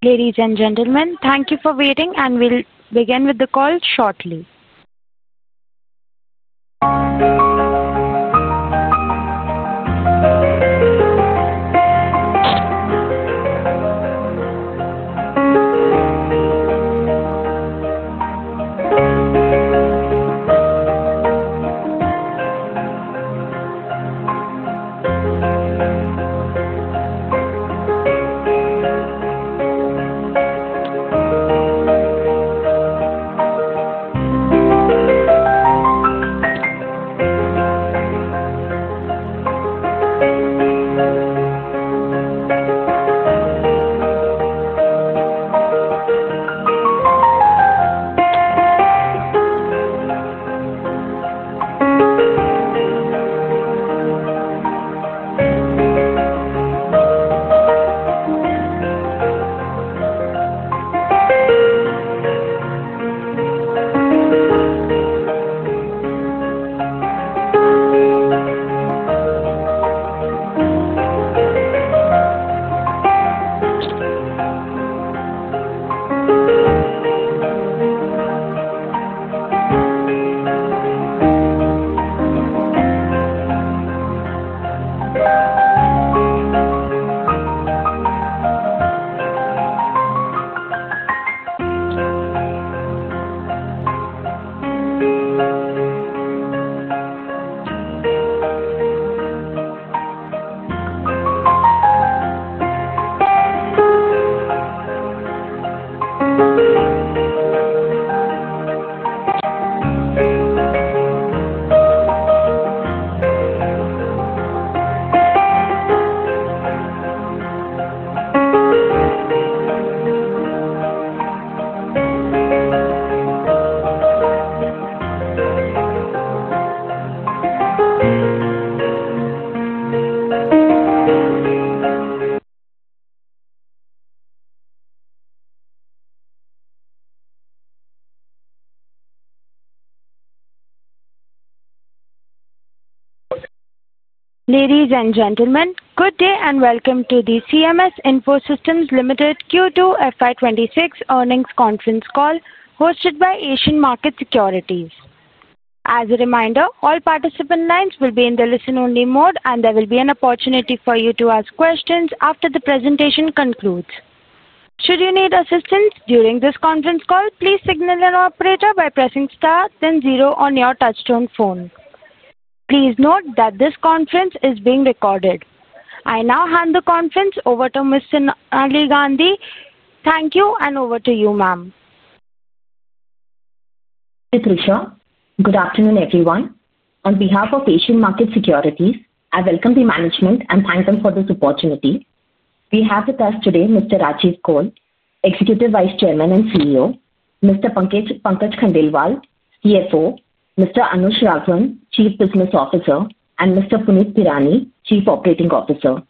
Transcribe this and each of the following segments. Ladies and gentlemen, thank you for waiting, and we'll begin with the call shortly. Ladies and gentlemen, good day and welcome to the CMS Info Systems Limited Q2 FY2026 earnings conference call hosted by Asian Markets Securities. As a reminder, all participant lines will be in the listen-only mode, and there will be an opportunity for you to ask questions after the presentation concludes. Should you need assistance during this conference call, please signal an operator by pressing star, then zero on your touch-tone phone. Please note that this conference is being recorded. I now hand the conference over to Ms Sonal Ghandhi. Thank you, and over to you, ma'am. Mr. Trisha, good afternoon, everyone. On behalf of Asian Markets Securities, I welcome the management and thank them for this opportunity. We have with us today Mr. Rajiv Kaul, Executive Vice Chairman and CEO, Mr. Pankaj Khandelwal, CFO, Mr. Anush Raghavan, Chief Business Officer, and Mr. Puneet Bhirani, Chief Operating Officer.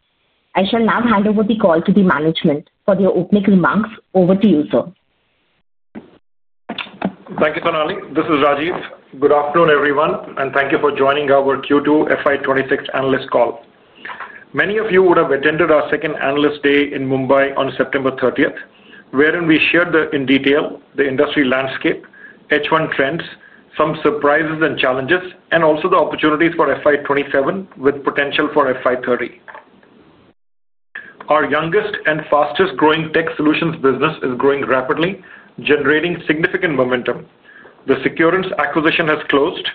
I shall now hand over the call to the management for the opening remarks. Over to you, sir. Thank you, Sonal. This is Rajiv. Good afternoon, everyone, and thank you for joining our Q2 FY2026 analyst call. Many of you would have attended our second analyst day in Mumbai on September 30th, wherein we shared in detail the industry landscape, H1 trends, some surprises and challenges, and also the opportunities for FY2027 with potential for FY2030. Our youngest and fastest-growing tech solutions business is growing rapidly, generating significant momentum. The Securance acquisition has closed,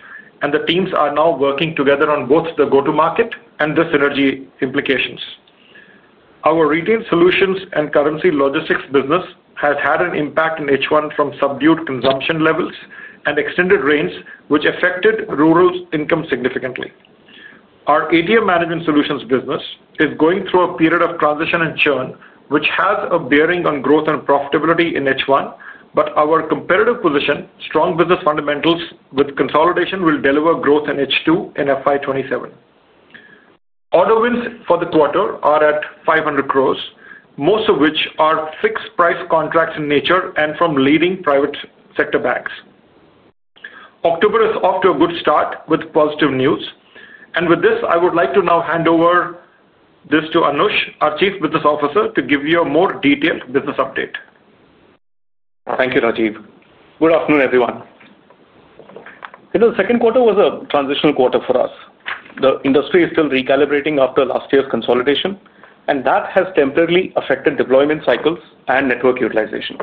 and the teams are now working together on both the go-to-market and the synergy implications. Our retail solutions and currency logistics business has had an impact in H1 from subdued consumption levels and extended rains, which affected rural income significantly. Our ATM management solutions business is going through a period of transition and churn, which has a bearing on growth and profitability in H1, but our competitive position, strong business fundamentals with consolidation, will deliver growth in H2 in FY 2027. Order wins for the quarter are at 500 crore, most of which are fixed-price contracts in nature and from leading private sector banks. October is off to a good start with positive news, and with this, I would like to now hand over this to Anush, our Chief Business Officer, to give you a more detailed business update. Thank you, Rajiv. Good afternoon, everyone. You know, the second quarter was a transitional quarter for us. The industry is still recalibrating after last year's consolidation, and that has temporarily affected deployment cycles and network utilization.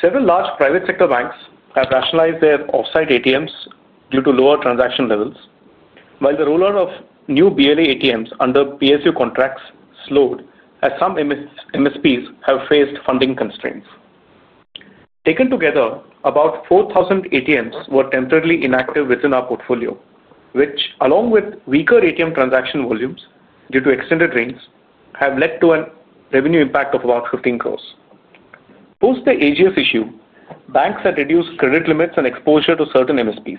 Several large private sector banks have rationalized their offsite ATMs due to lower transaction levels, while the rollout of new BLA ATMs under PSU contracts slowed as some MSPs have faced funding constraints. Taken together, about 4,000 ATMs were temporarily inactive within our portfolio, which, along with weaker ATM transaction volumes due to extended rains, have led to a revenue impact of 15 crore. Post the AGF issue, banks had reduced credit limits and exposure to certain MSPs.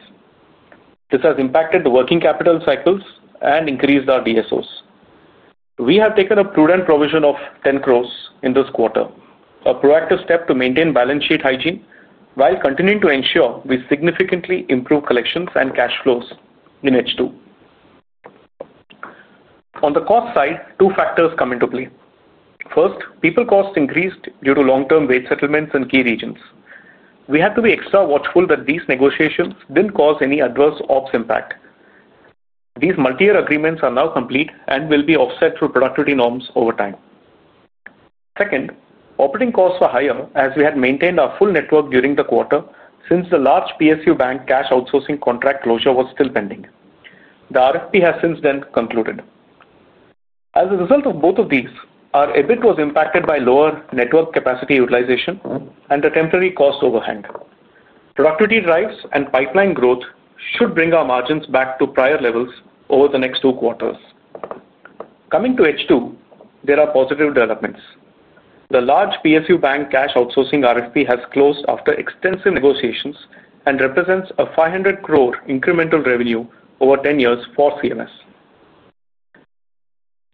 This has impacted the working capital cycles and increased our DSOs. We have taken a prudent provision of 10 crore in this quarter, a proactive step to maintain balance sheet hygiene while continuing to ensure we significantly improve collections and cash flows in H2. On the cost side, two factors come into play. First, people costs increased due to long-term rate settlements in key regions. We had to be extra watchful that these negotiations did not cause any adverse ops impact. These multi-year agreements are now complete and will be offset through productivity norms over time. Second, operating costs were higher as we had maintained our full network during the quarter since the large PSU bank cash outsourcing contract closure was still pending. The RFP has since then concluded. As a result of both of these, our EBIT was impacted by lower network capacity utilization and the temporary cost overhang. Productivity drives and pipeline growth should bring our margins back to prior levels over the next two quarters. Coming to H2, there are positive developments. The large PSU bank cash outsourcing RFP has closed after extensive negotiations and represents an 500 crore incremental revenue over 10 years for CMS.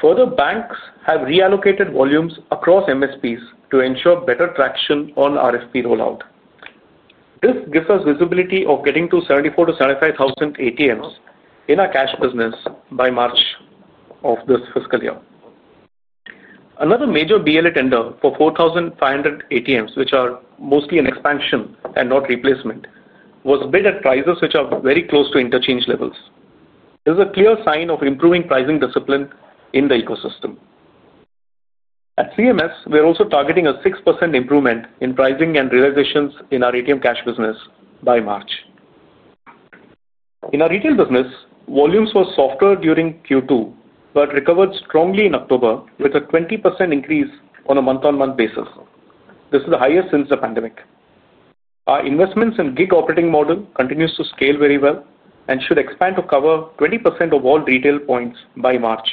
Further, banks have reallocated volumes across MSPs to ensure better traction on RFP rollout. This gives us visibility of getting to 74,000-75,000 ATMs in our cash business by March of this fiscal year. Another major BLA tender for 4,500 ATMs, which are mostly an expansion and not replacement, was bid at prices which are very close to interchange levels. This is a clear sign of improving pricing discipline in the ecosystem. At CMS, we're also targeting a 6% improvement in pricing and realizations in our ATM cash business by March. In our retail business, volumes were softer during Q2 but recovered strongly in October with a 20% increase on a month-on-month basis. This is the highest since the pandemic. Our investments in gig operating model continue to scale very well and should expand to cover 20% of all retail points by March,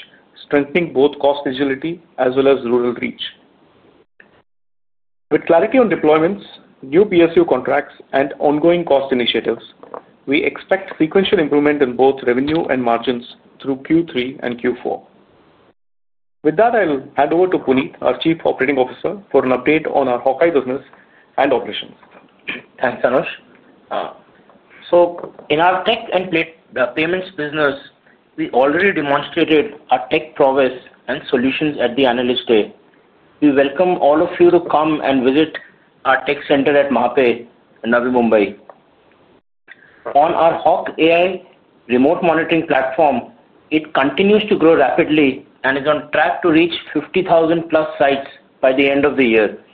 strengthening both cost agility as well as rural reach. With clarity on deployments, new PSU contracts, and ongoing cost initiatives, we expect sequential improvement in both revenue and margins through Q3 and Q4. With that, I'll hand over to Puneet, our Chief Operating Officer, for an update on our Hawkai business and operations. Thanks, Anush. In our tech and payments business, we already demonstrated our tech prowess and solutions at the analyst day. We welcome all of you to come and visit our tech center at MahaPay in Navi Mumbai. On our Hawkai Remote Monitoring platform, it continues to grow rapidly and is on track to reach 50,000+ sites by the end of the year.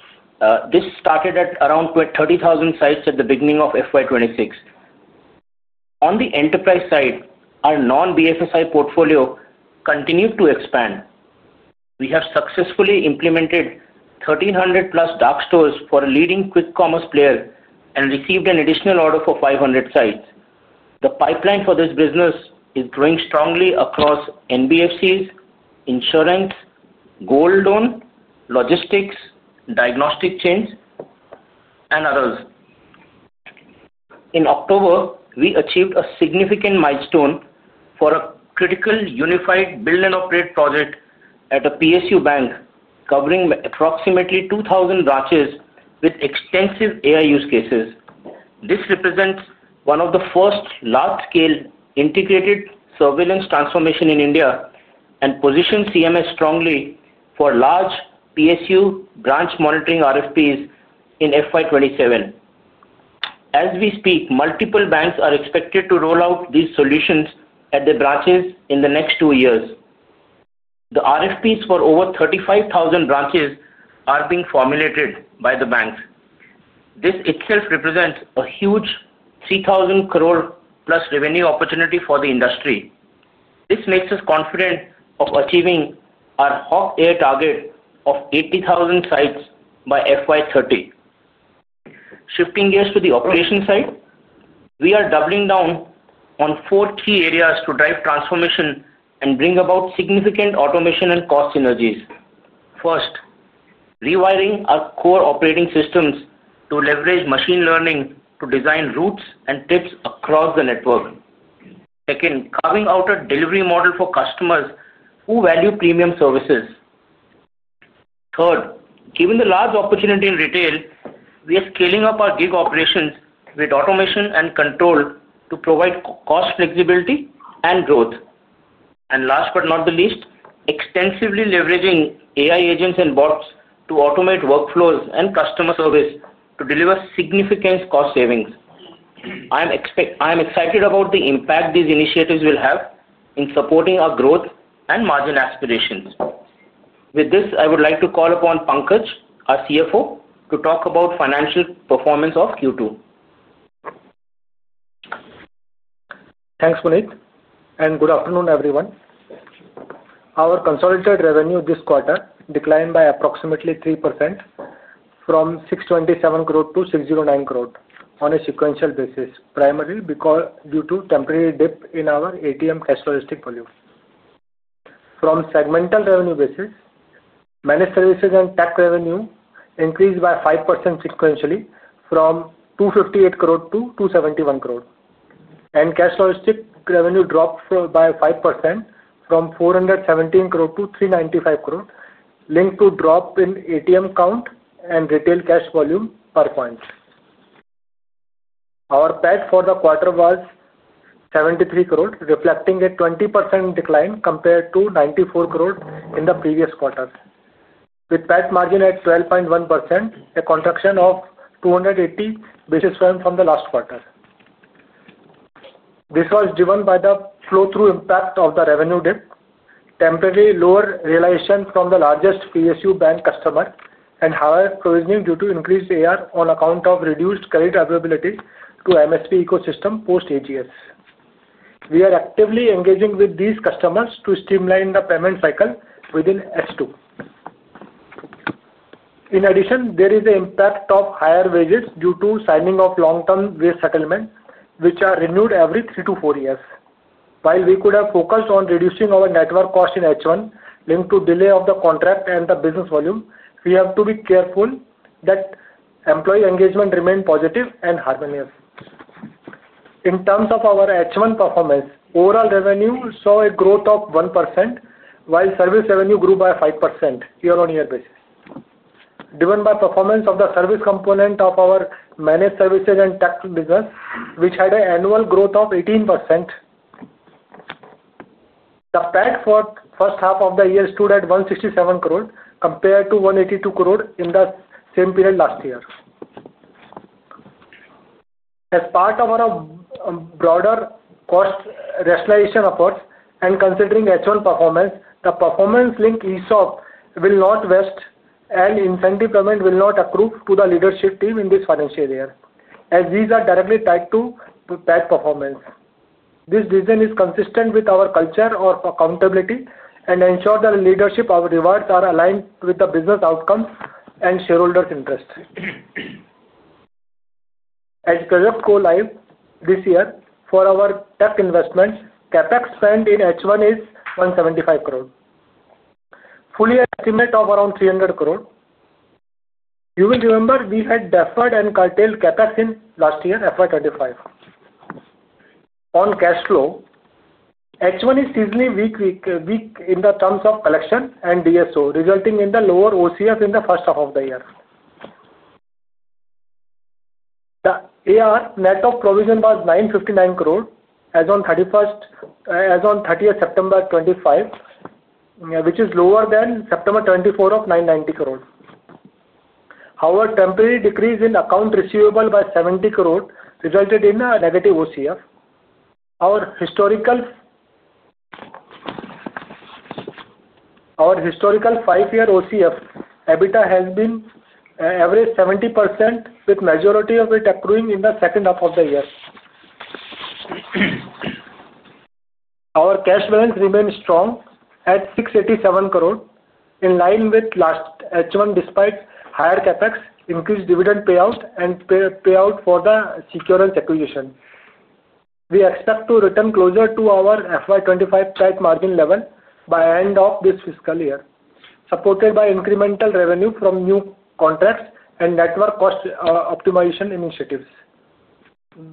This started at around 30,000 sites at the beginning of FY2026. On the enterprise side, our non-BFSI portfolio continued to expand. We have successfully implemented 1,300-plus dark stores for a leading quick commerce player and received an additional order for 500 sites. The pipeline for this business is growing strongly across NBFCs, insurance, Gold Dawn, logistics, diagnostic chains, and others. In October, we achieved a significant milestone for a critical unified build-and-operate project at a PSU bank covering approximately 2,000 branches with extensive AI use cases. This represents one of the first large-scale integrated surveillance transformations in India and positioned CMS strongly for large PSU branch monitoring RFPs in FY 2027. As we speak, multiple banks are expected to roll out these solutions at their branches in the next two years. The RFPs for over 35,000 branches are being formulated by the banks. This itself represents a huge 3,000 crore plus revenue opportunity for the industry. This makes us confident of achieving our Hawkai target of 80,000 sites by FY 2030. Shifting gears to the operations side, we are doubling down on four key areas to drive transformation and bring about significant automation and cost synergies. First. Rewiring our core operating systems to leverage machine learning to design routes and tips across the network. Second, carving out a delivery model for customers who value premium services. Third, given the large opportunity in retail, we are scaling up our gig operations with automation and control to provide cost flexibility and growth. Last but not the least, extensively leveraging AI agents and bots to automate workflows and customer service to deliver significant cost savings. I'm excited about the impact these initiatives will have in supporting our growth and margin aspirations. With this, I would like to call upon Pankaj, our CFO, to talk about financial performance of Q2. Thanks, Puneet, and good afternoon, everyone. Our consolidated revenue this quarter declined by approximately 3%, from 627 crore to 609 crore on a sequential basis, primarily due to a temporary dip in our ATM cash logistics volume. From a segmental revenue basis, managed services and tech revenue increased by 5% sequentially from 258 crore to 271 crore. Cash logistics revenue dropped by 5% from 417 crore to 395 crore, linked to a drop in ATM count and retail cash volume per point. Our PAT for the quarter was 73 crore, reflecting a 20% decline compared to 94 crore in the previous quarter, with PAT margin at 12.1%, a contraction of 280 basis points from the last quarter. This was driven by the flow-through impact of the revenue dip, temporary lower realization from the largest PSU bank customer, and higher provisioning due to increased AR on account of reduced credit availability to the MSP ecosystem post-AGS. We are actively engaging with these customers to streamline the payment cycle within H2. In addition, there is an impact of higher wages due to signing of long-term wage settlements, which are renewed every three to four years. While we could have focused on reducing our network cost in H1, linked to the delay of the contract and the business volume, we have to be careful that employee engagement remains positive and harmonious. In terms of our H1 performance, overall revenue saw a growth of 1%, while service revenue grew by 5% year-on-year basis. Driven by the performance of the service component of our managed services and tech business, which had an annual growth of 18%. The PAT for the first half of the year stood at 167 crore compared to 182 crore in the same period last year. As part of our broader cost rationalization efforts and considering H1 performance, the performance-linked ESOP will not vest, and incentive payment will not accrue to the leadership team in this financial year, as these are directly tied to PAT performance. This decision is consistent with our culture of accountability and ensures that the leadership rewards are aligned with the business outcomes and shareholders' interests. As we project go live this year for our tech investments, CapEx spent in H1 is 175 crore. Fully estimated at around 300 crore. You will remember we had deferred and curtailed CapEx in last year, FY 2025. On cash flow. H1 is seasonally weak in the terms of collection and DSO, resulting in the lower OCF in the first half of the year. The AR net of provision was 959 crore as on 30th September 2025, which is lower than September 2024 of 990 crore. Our temporary decrease in account receivable by 70 crore resulted in a negative OCF. Our historical five-year OCF EBITDA has been averaged 70%, with the majority of it accruing in the second half of the year. Our cash balance remains strong at 687 crore, in line with last H1 despite higher CapEx, increased dividend payout, and payout for the Securance acquisition. We expect to return closer to our FY2025 PAT margin level by the end of this fiscal year, supported by incremental revenue from new contracts and network cost optimization initiatives.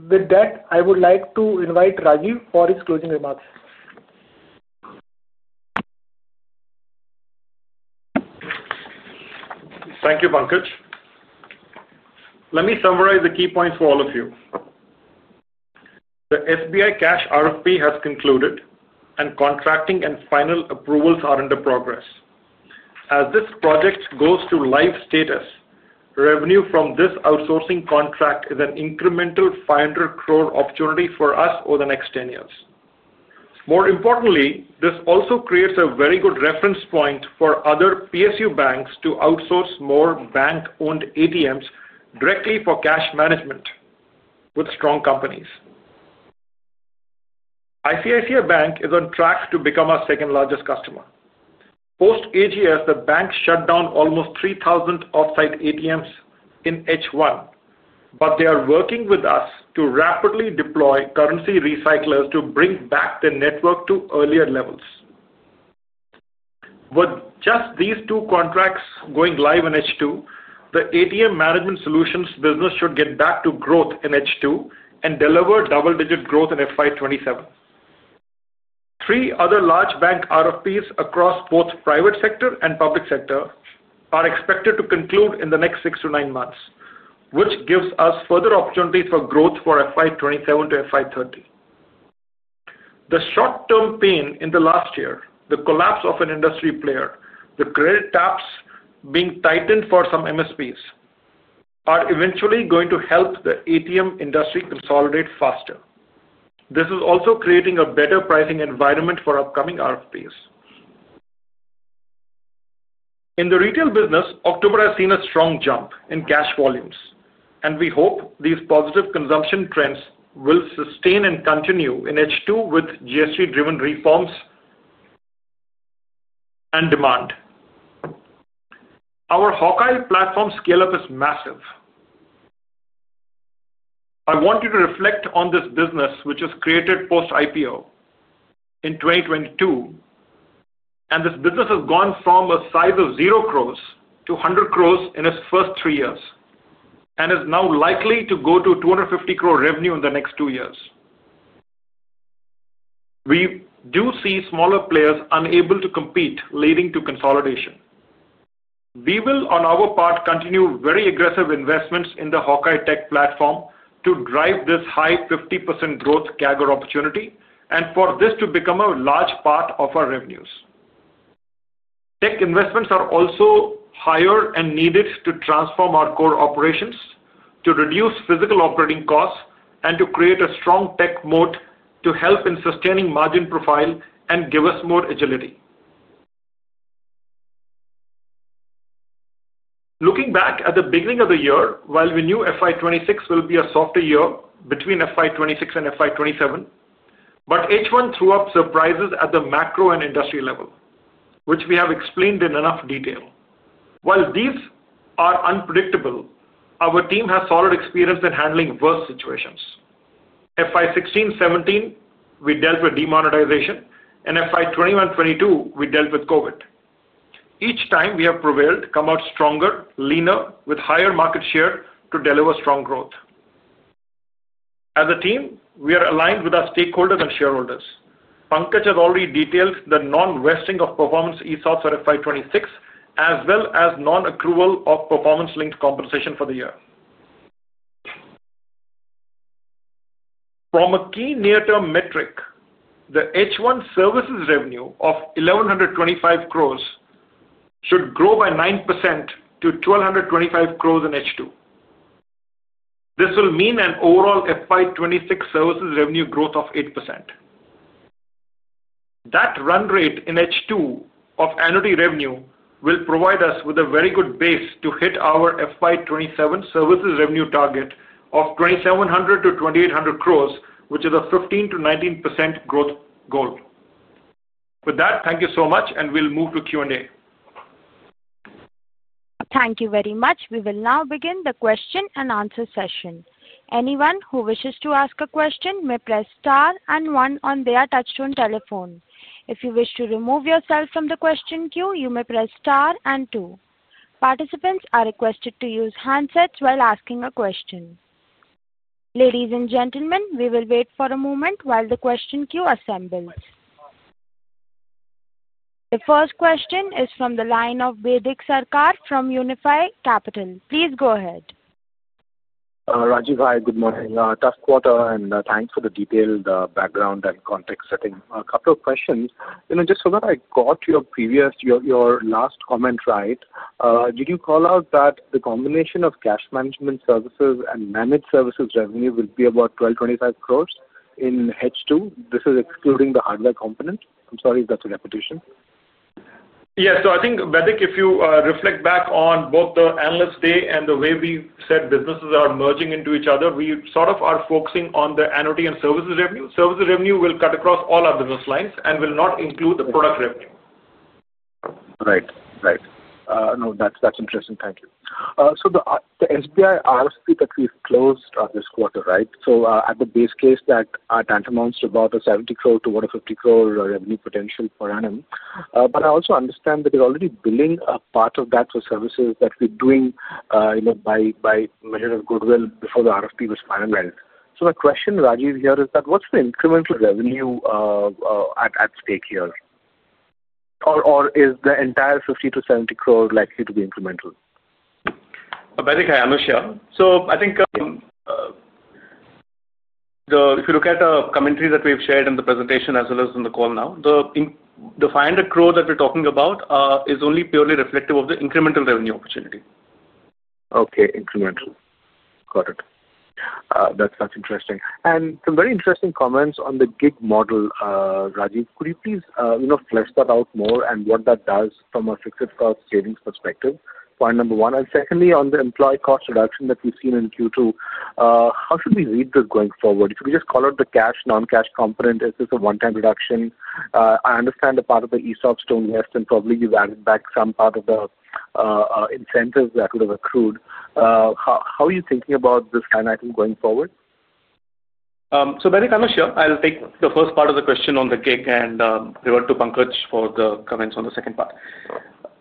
With that, I would like to invite Rajiv for his closing remarks. Thank you, Pankaj. Let me summarize the key points for all of you. The State Bank of India cash RFP has concluded, and contracting and final approvals are under progress. As this project goes to live status, revenue from this outsourcing contract is an incremental 5,000,000,000 opportunity for us over the next 10 years. More importantly, this also creates a very good reference point for other PSU banks to outsource more bank-owned ATMs directly for cash management. With strong companies. ICICI Bank is on track to become our second-largest customer. Post-AGS, the bank shut down almost 3,000 off-site ATMs in H1, but they are working with us to rapidly deploy currency recyclers to bring back the network to earlier levels. With just these two contracts going live in H2, the ATM management solutions business should get back to growth in H2 and deliver double-digit growth in FY 2027. Three other large bank RFPs across both private sector and public sector are expected to conclude in the next six to nine months, which gives us further opportunities for growth for FY2027 to FY2030. The short-term pain in the last year, the collapse of an industry player, and the credit taps being tightened for some MSPs are eventually going to help the ATM industry consolidate faster. This is also creating a better pricing environment for upcoming RFPs. In the retail business, October has seen a strong jump in cash volumes, and we hope these positive consumption trends will sustain and continue in H2 with GST-driven reforms and demand. Our Hawkai platform scale-up is massive. I want you to reflect on this business, which was created post-IPO in 2022. This business has gone from a size of zero crore to 100 crore in its first three years, and is now likely to go to 250 crore revenue in the next two years. We do see smaller players unable to compete, leading to consolidation. We will, on our part, continue very aggressive investments in the Hawkai tech platform to drive this high 50% growth CAGR opportunity, and for this to become a large part of our revenues. Tech investments are also higher and needed to transform our core operations, to reduce physical operating costs, and to create a strong tech moat to help in sustaining margin profile and give us more agility. Looking back at the beginning of the year, while we knew FY2026 will be a softer year between FY2026 and FY27, H1 threw up surprises at the macro and industry level, which we have explained in enough detail. While these are unpredictable, our team has solid experience in handling worst situations. FY2016-2017, we dealt with demonetization, and FY2021-2022, we dealt with COVID. Each time, we have prevailed, come out stronger, leaner, with higher market share to deliver strong growth. As a team, we are aligned with our stakeholders and shareholders. Pankaj has already detailed the non-wasting of performance ESOPs for FY2026, as well as non-accrual of performance-linked compensation for the year. From a key near-term metric, the H1 services revenue of 1,125 crore should grow by 9% to 1,225 crore in H2. This will mean an overall FY2026 services revenue growth of 8%. That run rate in H2 of annuity revenue will provide us with a very good base to hit our FY2027 services revenue target of 2,700-2,800 crore, which is a 15%-19% growth goal. With that, thank you so much, and we'll move to Q&A. Thank you very much. We will now begin the question and answer session. Anyone who wishes to ask a question may press star and one on their touchscreen telephone. If you wish to remove yourself from the question queue, you may press star and two. Participants are requested to use handsets while asking a question. Ladies and gentlemen, we will wait for a moment while the question queue assembles. The first question is from the line of Baidil Sarkar from Unifi Capital. Please go ahead. Rajiv, hi. Good morning. Tough quarter, and thanks for the detailed background and context setting. A couple of questions. Just so that I got your last comment right, did you call out that the combination of cash management services and managed services revenue would be about 1,225 crore in H2? This is excluding the hardware component. I'm sorry if that's a repetition. Yes. I think, Baidil, if you reflect back on both the analyst day and the way we said businesses are merging into each other, we sort of are focusing on the annuity and services revenue. Services revenue will cut across all our business lines and will not include the product revenue. Right. Right. No, that's interesting. Thank you. The SBI RFP that we've closed this quarter, right? At the base case, that amounts to about 70 crore-150 crore revenue potential per annum. I also understand that you're already billing a part of that for services that we're doing by measure of goodwill before the RFP was finalized. My question, Rajiv, here is what's the incremental revenue at stake here? Or is the entire 50 crore-70 crore likely to be incremental? Baidil, I am not sure. I think if you look at the commentary that we've shared in the presentation as well as in the call now, the 500 crore that we're talking about is only purely reflective of the incremental revenue opportunity. Okay. Incremental. Got it. That's interesting. Some very interesting comments on the gig model, Rajiv. Could you please flesh that out more and what that does from a fixed cost savings perspective? Point number one. Secondly, on the employee cost reduction that we've seen in Q2, how should we read this going forward? If we just call out the cash, non-cash component, is this a one-time reduction? I understand a part of the ESOPs do not lift, and probably you've added back some part of the incentives that would have accrued. How are you thinking about this kind of item going forward? Baidil, I'm not sure. I'll take the first part of the question on the gig and revert to Pankaj for the comments on the second part.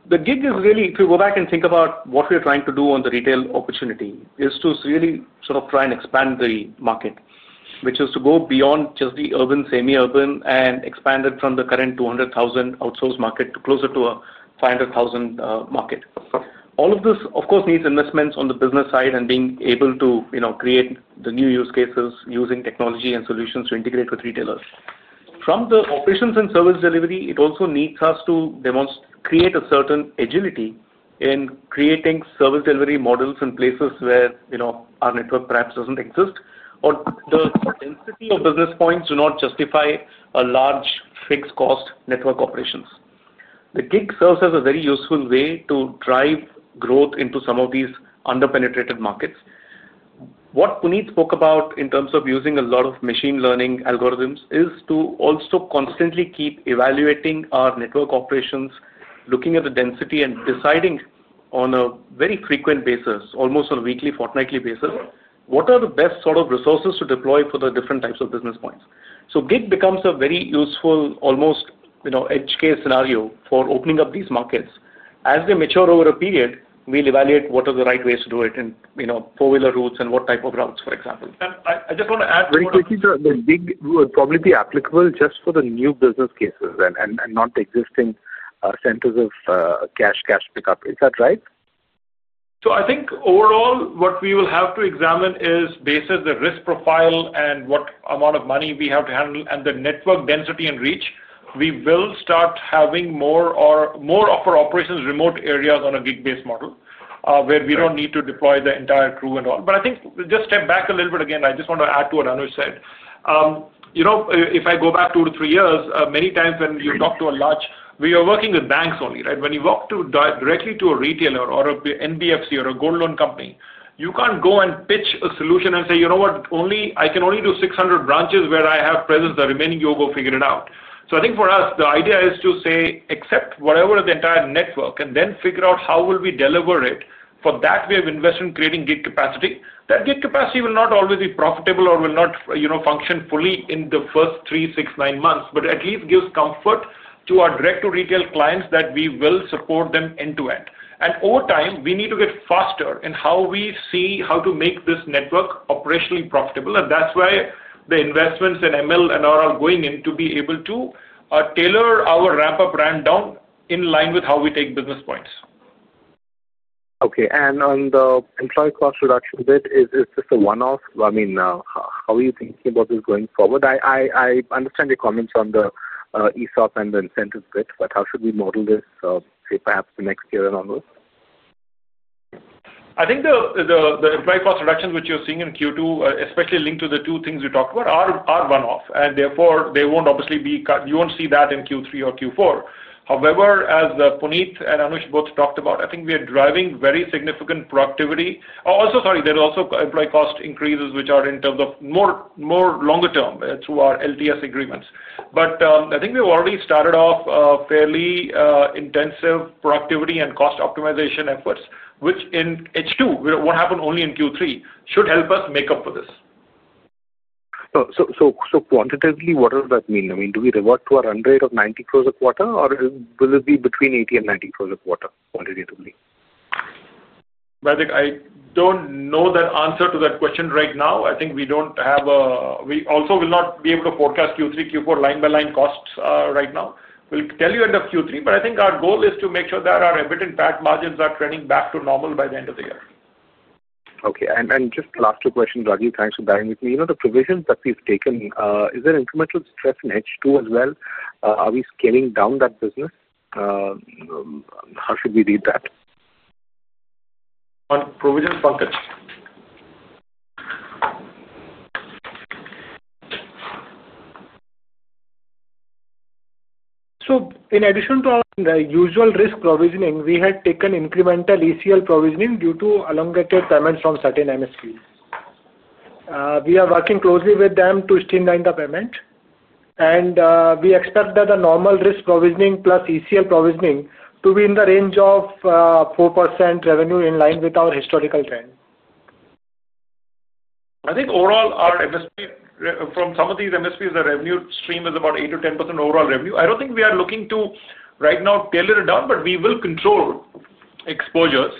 The gig is really, if you go back and think about what we're trying to do on the retail opportunity, is to really sort of try and expand the market, which is to go beyond just the urban, semi-urban, and expand it from the current 200,000 outsourced market to closer to a 500,000 market. All of this, of course, needs investments on the business side and being able to create the new use cases using technology and solutions to integrate with retailers. From the operations and service delivery, it also needs us to create a certain agility in creating service delivery models in places where our network perhaps doesn't exist, or the density of business points do not justify a large fixed cost network operations. The gig serves as a very useful way to drive growth into some of these under-penetrated markets. What Puneet spoke about in terms of using a lot of machine learning algorithms is to also constantly keep evaluating our network operations, looking at the density, and deciding on a very frequent basis, almost on a weekly, fortnightly basis, what are the best sort of resources to deploy for the different types of business points. Gig becomes a very useful, almost edge case scenario for opening up these markets. As they mature over a period, we'll evaluate what are the right ways to do it in four-wheeler routes and what type of routes, for example. I just want to add to that. Very quickly, the gig would probably be applicable just for the new business cases and not existing centers of cash, cash pickup. Is that right? I think overall, what we will have to examine is based on the risk profile and what amount of money we have to handle and the network density and reach, we will start having more of our operations in remote areas on a gig-based model, where we do not need to deploy the entire crew and all. I think just step back a little bit again. I just want to add to what Anush said. If I go back two to three years, many times when you talk to a large, we are working with banks only, right? When you walk directly to a retailer or an NBFC or a gold loan company, you cannot go and pitch a solution and say, "You know what? I can only do 600 branches where I have presence. The remaining you'll go figure it out. I think for us, the idea is to say, "Accept whatever the entire network, and then figure out how will we deliver it. For that, we have invested in creating gig capacity." That gig capacity will not always be profitable or will not function fully in the first three, six, nine months, but at least gives comfort to our direct-to-retail clients that we will support them end to end. Over time, we need to get faster in how we see how to make this network operationally profitable. That is why the investments in ML and R are going in, to be able to tailor our ramp-up, ramp-down in line with how we take business points. Okay. On the employee cost reduction bit, is this a one-off? I mean, how are you thinking about this going forward? I understand your comments on the ESOP and the incentive bit, but how should we model this, say, perhaps the next year and onwards? I think the employee cost reductions which you're seeing in Q2, especially linked to the two things we talked about, are one-off. Therefore, they won't obviously be cut. You won't see that in Q3 or Q4. However, as Puneet and Anush both talked about, I think we are driving very significant productivity. Also, sorry, there's also employee cost increases which are in terms of more longer term through our LTS agreements. I think we've already started off fairly intensive productivity and cost optimization efforts, which in H2, what happened only in Q3, should help us make up for this. Quantitatively, what does that mean? I mean, do we revert to our run rate of 900 million a quarter, or will it be between 800 million and 900 million a quarter quantitatively? Baidil, I don't know that answer to that question right now. I think we don't have a—we also will not be able to forecast Q3, Q4 line-by-line costs right now. We'll tell you end of Q3, but I think our goal is to make sure that our EBIT and PAT margins are trending back to normal by the end of the year. Okay. Just the last two questions, Rajiv, thanks for bearing with me. The provisions that we've taken, is there incremental stress in H2 as well? Are we scaling down that business? How should we read that? On provisions, Pankaj. In addition to our usual risk provisioning, we had taken incremental ECL provisioning due to elongated payments from certain MSPs. We are working closely with them to streamline the payment. We expect that the normal risk provisioning plus ECL provisioning to be in the range of 4% revenue in line with our historical trend. I think overall, our MSP—from some of these MSPs, the revenue stream is about 8%-10% overall revenue. I do not think we are looking to, right now, tailor it down, but we will control exposures.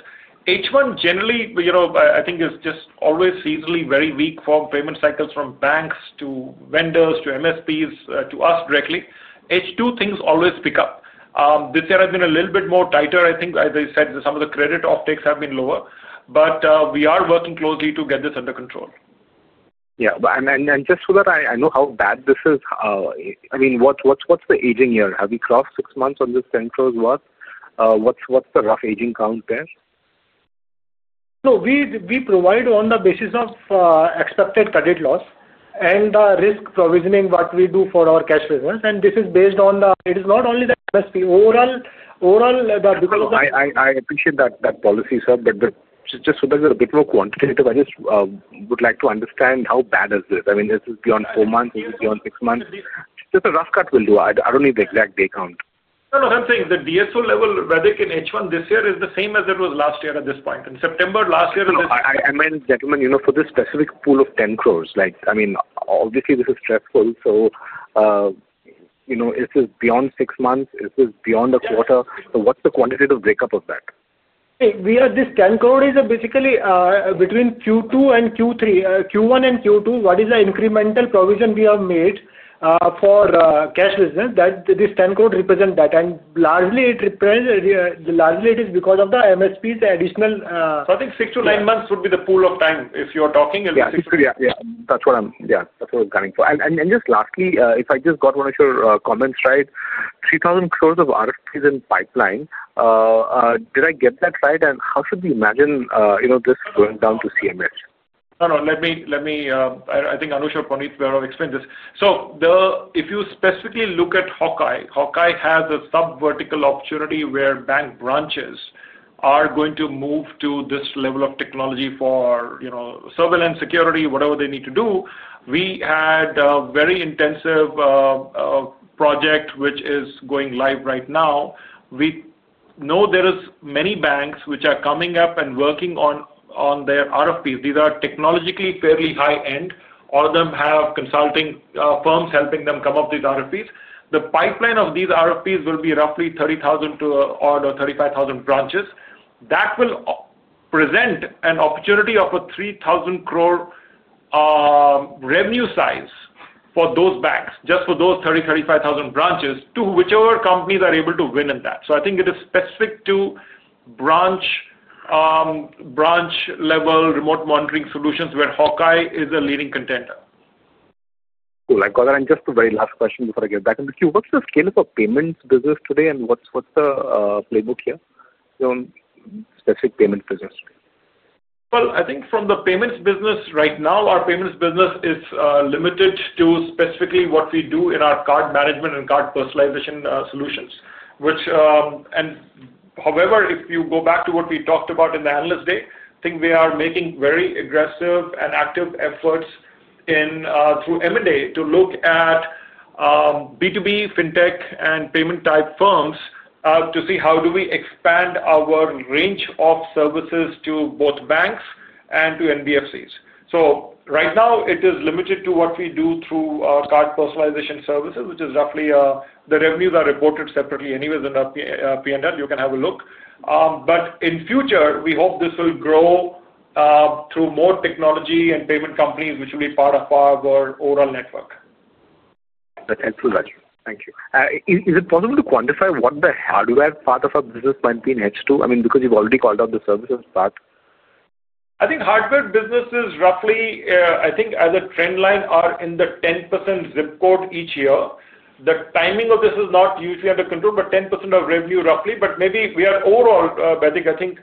H1, generally, I think, is just always seasonally very weak from payment cycles from banks to vendors to MSPs to us directly. H2 things always pick up. This year has been a little bit more tighter, I think. As I said, some of the credit offtakes have been lower, but we are working closely to get this under control. Yeah. And just so that I know how bad this is, I mean, what's the aging year? Have we crossed six months on this 10 crore worth? What's the rough aging count there? No. We provide on the basis of expected credit loss and risk provisioning what we do for our cash business. This is based on the—it is not only the MSP. Overall, the. I appreciate that policy, sir, but just so that we're a bit more quantitative, I just would like to understand how bad is this? I mean, is this beyond four months? Is it beyond six months? Just a rough cut will do. I don't need the exact day count. No, no. I'm saying the DSO level, Baidil, in H1 this year is the same as it was last year at this point. In September last year at this point. I mean, gentlemen, for this specific pool of 10 crore, I mean, obviously, this is stressful. If it's beyond six months, if it's beyond a quarter, what's the quantitative breakup of that? This 10 crores is basically between Q2 and Q3. Q1 and Q2, what is the incremental provision we have made for cash business that this 10 crores represents that. And largely, it is because of the MSPs' additional. I think six to nine months would be the pool of time if you're talking. Yeah. That's what I'm—yeah. That's what I'm coming for. Just lastly, if I just got one of your comments right, 3,000 crore of RFPs in pipeline. Did I get that right? How should we imagine this going down to CMS? No, no. Let me—I think Anush or Puneet will explain this. If you specifically look at Hawkai, Hawkai has a subvertical opportunity where bank branches are going to move to this level of technology for surveillance, security, whatever they need to do. We had a very intensive project which is going live right now. We know there are many banks which are coming up and working on their RFPs. These are technologically fairly high-end. All of them have consulting firms helping them come up with RFPs. The pipeline of these RFPs will be roughly 30,000-35,000 branches. That will present an opportunity of an 3,000-crore revenue size for those banks, just for those 30,000-35,000 branches, to whichever companies are able to win in that. I think it is specific to branch-level remote monitoring solutions where Hawkai is a leading contender. Cool. I got it. Just a very last question before I get back into Q. What's the scale of our payments business today, and what's the playbook here? Specific payments business today. I think from the payments business right now, our payments business is limited to specifically what we do in our card management and card personalization solutions. However, if you go back to what we talked about in the analyst day, I think we are making very aggressive and active efforts through M&A to look at B2B, fintech, and payment-type firms to see how do we expand our range of services to both banks and to NBFCs. Right now, it is limited to what we do through our card personalization services, which is roughly the revenues are reported separately anyways in our P&L. You can have a look. In future, we hope this will grow through more technology and payment companies which will be part of our overall network. That's helpful, Rajiv. Thank you. Is it possible to quantify what the hardware part of our business might be in H2? I mean, because you've already called out the services part. I think hardware businesses roughly, I think as a trend line, are in the 10% zip code each year. The timing of this is not usually under control, but 10% of revenue roughly. Maybe we are overall, Baidil, I think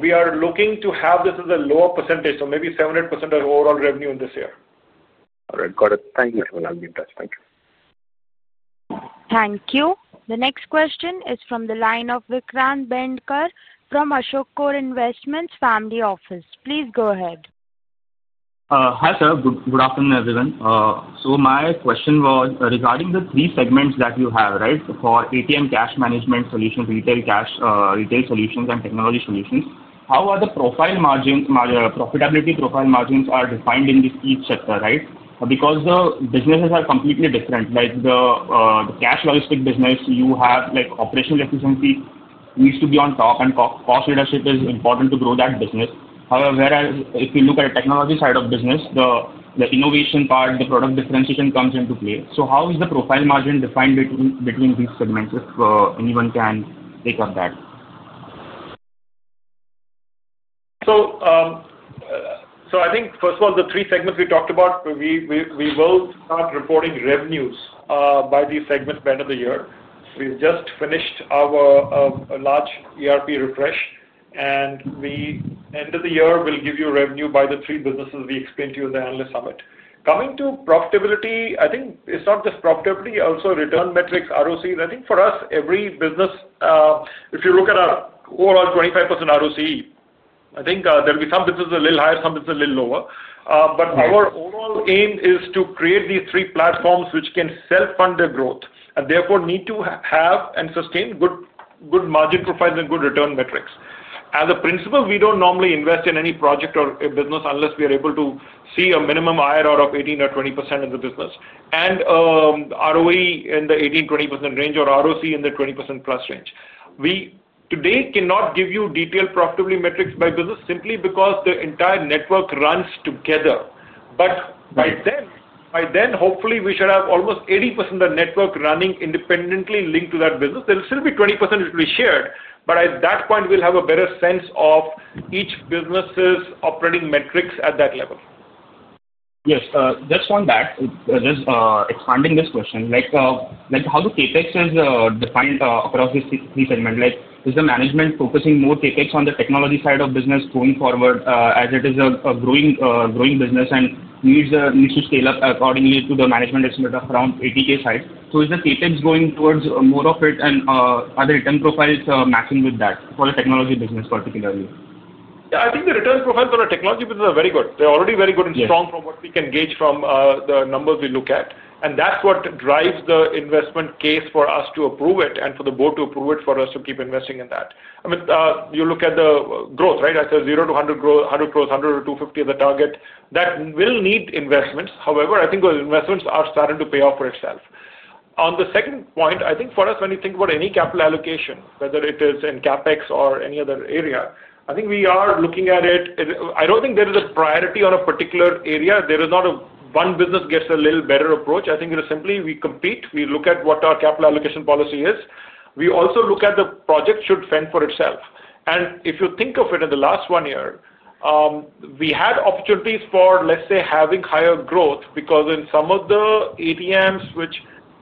we are looking to have this as a lower percentage, so maybe 7% of overall revenue in this year. All right. Got it. Thank you, Anush. Thank you. Thank you. The next question is from the line of Vikrant Bandekar from ASHOK CORP INVESTMENTS - Family Office. Please go ahead. Hi, sir. Good afternoon, everyone. My question was regarding the three segments that you have, right, for ATM cash management solutions, retail cash, retail solutions, and technology solutions. How are the profile margins, profitability profile margins defined in each sector, right? Because the businesses are completely different. Like the cash logistics business, you have operational efficiency needs to be on top, and cost leadership is important to grow that business. However, if you look at the technology side of business, the innovation part, the product differentiation comes into play. How is the profile margin defined between these segments? If anyone can take up that. I think, first of all, the three segments we talked about, we will start reporting revenues by the segment by end of the year. We've just finished our large ERP refresh, and we end of the year will give you revenue by the three businesses we explained to you in the analyst summit. Coming to profitability, I think it's not just profitability, also return metrics, ROCs. I think for us, every business. If you look at our overall 25% ROC, I think there'll be some businesses a little higher, some businesses a little lower. Our overall aim is to create these three platforms which can self-fund their growth and therefore need to have and sustain good margin profiles and good return metrics. As a principle, we don't normally invest in any project or business unless we are able to see a minimum IRR of 18% or 20% in the business and ROE in the 18%-20% range or ROC in the 20%+ range. We today cannot give you detailed profitability metrics by business simply because the entire network runs together. By then, hopefully, we should have almost 80% of the network running independently linked to that business. There'll still be 20% which will be shared, but at that point, we'll have a better sense of each business's operating metrics at that level. Yes. Just on that, just expanding this question, how do CapEx is defined across these three segments? Is the management focusing more CapEx on the technology side of business going forward as it is a growing business and needs to scale up accordingly to the management estimate of around 80 crore side? So is the CapEx going towards more of it and other return profiles matching with that for the technology business particularly? Yeah. I think the return profiles on the technology business are very good. They are already very good and strong from what we can gauge from the numbers we look at. That is what drives the investment case for us to approve it and for the board to approve it for us to keep investing in that. I mean, you look at the growth, right? I said 0 to 100 crore, 100 crore to 250 crore is the target. That will need investments. However, I think those investments are starting to pay off for itself. On the second point, I think for us, when you think about any capital allocation, whether it is in CapEx or any other area, I think we are looking at it. I do not think there is a priority on a particular area. There is not a one business gets a little better approach. I think it is simply we compete. We look at what our capital allocation policy is. We also look at the project should fend for itself. If you think of it in the last one year, we had opportunities for, let's say, having higher growth because in some of the ATMs which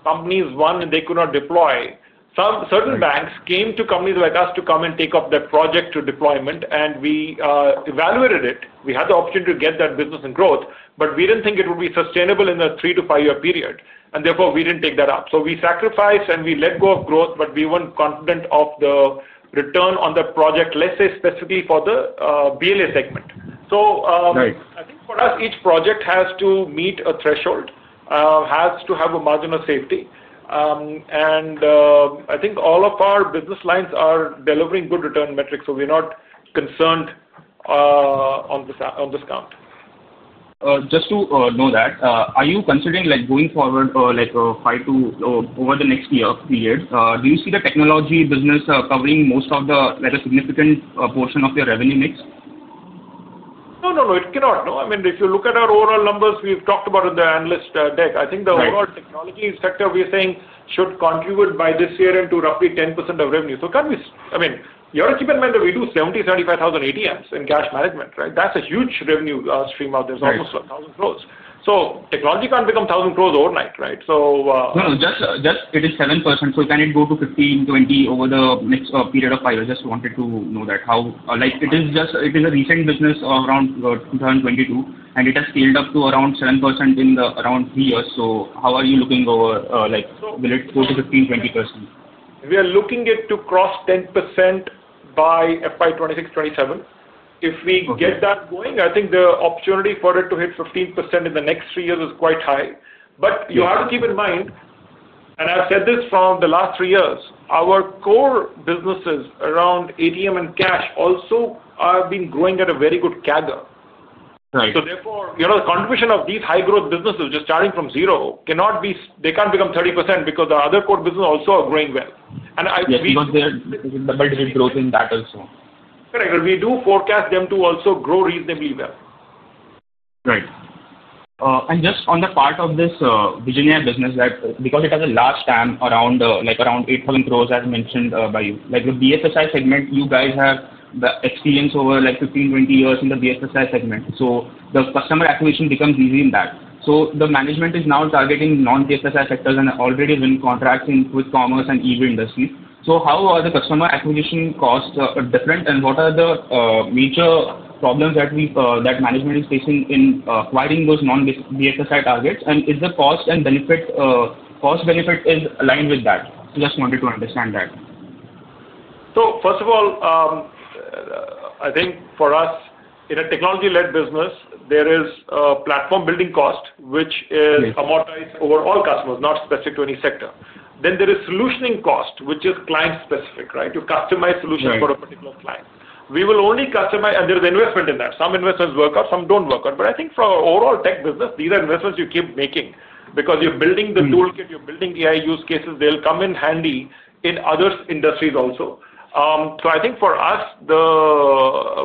companies won and they could not deploy, certain banks came to companies like us to come and take up that project to deployment, and we evaluated it. We had the opportunity to get that business and growth, but we didn't think it would be sustainable in a three to five-year period. Therefore, we didn't take that up. We sacrificed and we let go of growth, but we weren't confident of the return on the project, let's say, specifically for the BLA segment. Nice. I think for us, each project has to meet a threshold, has to have a margin of safety. I think all of our business lines are delivering good return metrics, so we're not concerned on this count. Just to know that, are you considering going forward over the next year period? Do you see the technology business covering most of the rather significant portion of your revenue mix? No, no, no. It cannot. No. I mean, if you look at our overall numbers we've talked about in the analyst deck, I think the overall technology sector we're saying should contribute by this year into roughly 10% of revenue. Can we—I mean, you have to keep in mind that we do 70,000-75,000 ATMs in cash management, right? That's a huge revenue stream out. There's almost 1,000 crore. Technology can't become 1,000 crore overnight, right? No, no. Just it is 7%. Can it go to 15%-20% over the next period of five years? Just wanted to know that. It is a recent business around 2022, and it has scaled up to around 7% in around three years. How are you looking over—will it go to 15%-20%? We are looking at it to cross 10% by FY 2026-2027. If we get that going, I think the opportunity for it to hit 15% in the next three years is quite high. You have to keep in mind. I have said this from the last three years, our core businesses around ATM and cash also have been growing at a very good CAGR. Right. Therefore, the contribution of these high-growth businesses just starting from zero cannot be—they can't become 30% because the other core businesses also are growing well. And we. There's double-digit growth in that also. Correct. We do forecast them to also grow reasonably well. Right. Just on the part of this Virginia business, because it has a large STAM around 8,000 crore, as mentioned by you, the BFSI segment, you guys have experience over 15-20 years in the BFSI segment. The customer acquisition becomes easy in that. The management is now targeting non-BFSI sectors and already is in contracts with commerce and even industries. How are the customer acquisition costs different? What are the major problems that management is facing in acquiring those non-BFSI targets? Is the cost and benefit—cost benefit is aligned with that? Just wanted to understand that. First of all, I think for us, in a technology-led business, there is a platform-building cost which is amortized over all customers, not specific to any sector. Then there is solutioning cost, which is client-specific, right? You customize solutions for a particular client. We will only customize—and there is investment in that. Some investments work out, some do not work out. I think for our overall tech business, these are investments you keep making because you are building the toolkit, you are building AI use cases. They will come in handy in other industries also. I think for us,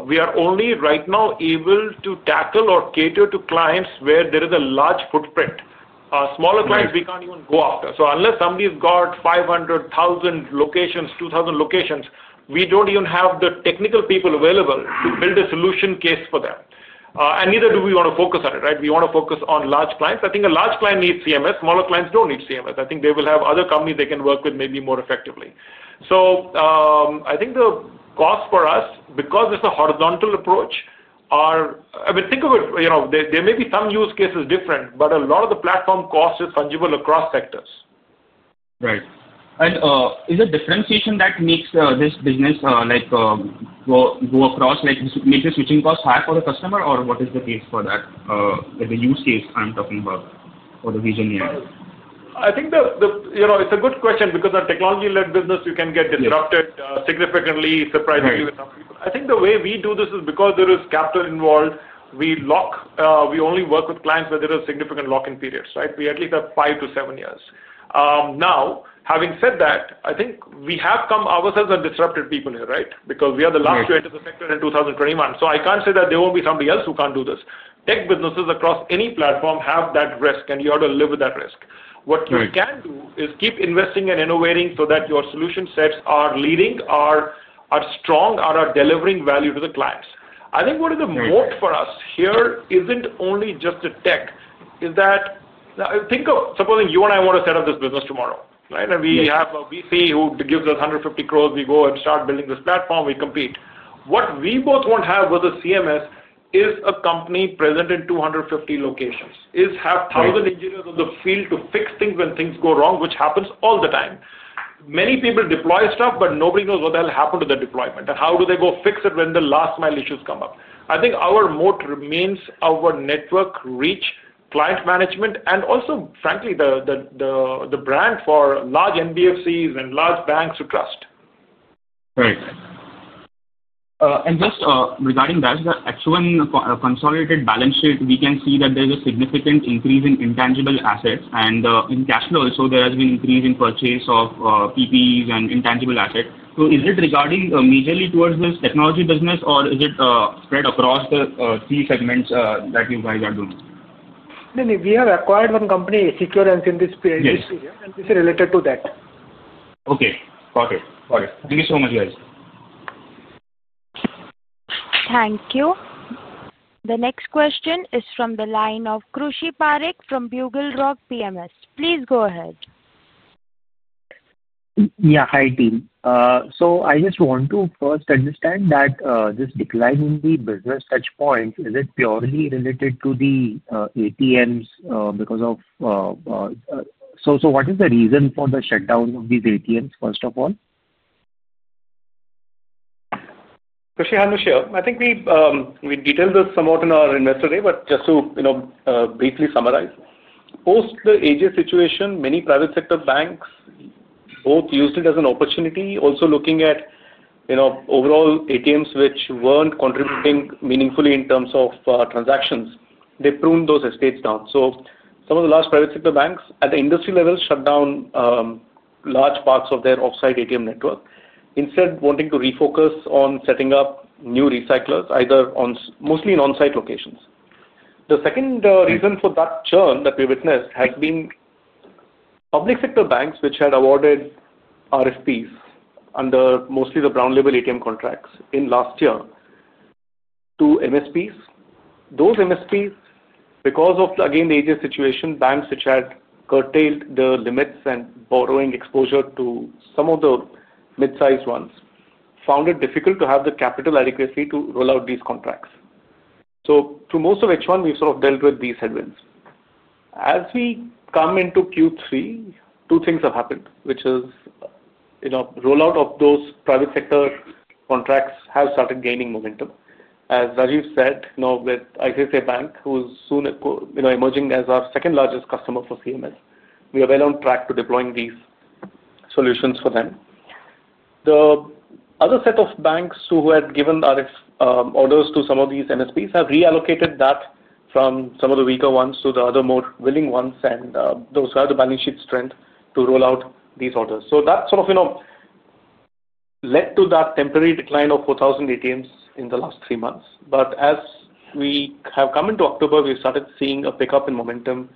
we are only right now able to tackle or cater to clients where there is a large footprint. Smaller clients, we cannot even go after. Unless somebody has 500,000 locations, 2,000 locations, we do not even have the technical people available to build a solution case for them. Neither do we want to focus on it, right? We want to focus on large clients. I think a large client needs CMS. Smaller clients do not need CMS. I think they will have other companies they can work with maybe more effectively. I think the cost for us, because it is a horizontal approach, are—I mean, think of it—there may be some use cases different, but a lot of the platform cost is fungible across sectors. Right. Is there differentiation that makes this business go across? Makes the switching cost higher for the customer, or what is the case for that? The use case I'm talking about for the Virginia. I think it's a good question because a technology-led business, you can get disrupted significantly, surprisingly with some people. I think the way we do this is because there is capital involved. We only work with clients where there is significant lock-in periods, right? We at least have five to seven years. Now, having said that, I think we have come ourselves are disrupted people here, right? Because we are the last to enter the sector in 2021. I can't say that there won't be somebody else who can't do this. Tech businesses across any platform have that risk, and you have to live with that risk. What you can do is keep investing and innovating so that your solution sets are leading, are strong, are delivering value to the clients. I think what is important for us here isn't only just the tech. Is that. Think of supposing you and I want to set up this business tomorrow, right? We have a VP who gives us 150 crore. We go and start building this platform. We compete. What we both want to have with a CMS is a company present in 250 locations, have 1,000 engineers in the field to fix things when things go wrong, which happens all the time. Many people deploy stuff, but nobody knows what will happen to the deployment and how do they go fix it when the last-mile issues come up. I think our moat remains our network reach, client management, and also, frankly, the brand for large NBFCs and large banks to trust. Right. Just regarding that, the actual consolidated balance sheet, we can see that there's a significant increase in intangible assets and in cash flow. There has been an increase in purchase of PPEs and intangible assets. Is it regarding majorly towards this technology business, or is it spread across the three segments that you guys are doing? No, no. We have acquired one company, Securance, in this period. This is related to that. Okay. Got it. Got it. Thank you so much, guys. Thank you. The next question is from the line of Krushi Parekh from BugleRock PMS. Please go ahead. Yeah. Hi, team. I just want to first understand that this decline in the business touchpoints, is it purely related to the ATMs because of— What is the reason for the shutdown of these ATMs, first of all? Krushi Hanushya, I think we detailed this somewhat in our investor day, but just to briefly summarize, post the AJ situation, many private sector banks both used it as an opportunity, also looking at overall ATMs which were not contributing meaningfully in terms of transactions, they pruned those estates down. Some of the large private sector banks at the industry level shut down large parts of their offsite ATM network, instead wanting to refocus on setting up new recyclers, either mostly in onsite locations. The second reason for that churn that we witnessed has been public sector banks which had awarded RFPs under mostly the brown label ATM contracts in last year to MSPs. Those MSPs, because of, again, the AJ situation, banks which had curtailed the limits and borrowing exposure to some of the mid-sized ones found it difficult to have the capital adequacy to roll out these contracts. Through most of H1, we've sort of dealt with these headwinds. As we come into Q3, two things have happened, which is, rollout of those private sector contracts has started gaining momentum. As Rajiv said, with ICICI Bank, who is soon emerging as our second largest customer for CMS, we are well on track to deploying these solutions for them. The other set of banks who had given orders to some of these MSPs have reallocated that from some of the weaker ones to the other more willing ones, and those who have the balance sheet strength to roll out these orders. That sort of led to that temporary decline of 4,000 ATMs in the last three months. As we have come into October, we started seeing a pickup in momentum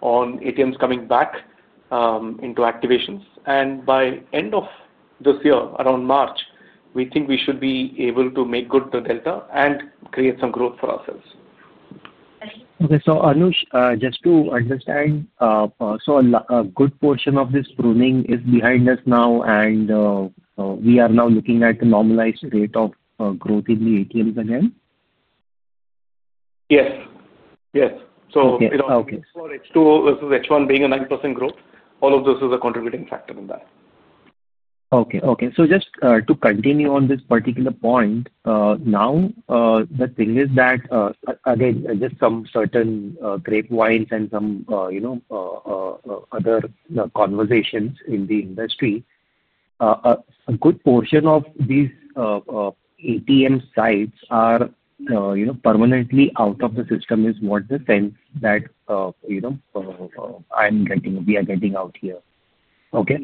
on ATMs coming back into activations. By end of this year, around March, we think we should be able to make good the delta and create some growth for ourselves. Okay. So Anush, just to understand. So a good portion of this pruning is behind us now, and we are now looking at the normalized rate of growth in the ATMs again? Yes. Yes. So it. Okay. Okay. H2, this is H1 being a 9% growth. All of this is a contributing factor in that. Okay. Okay. Just to continue on this particular point. Now, the thing is that, again, just some certain grapevines and some other conversations in the industry, a good portion of these ATM sites are permanently out of the system is what the sense that I'm getting, we are getting out here. Okay.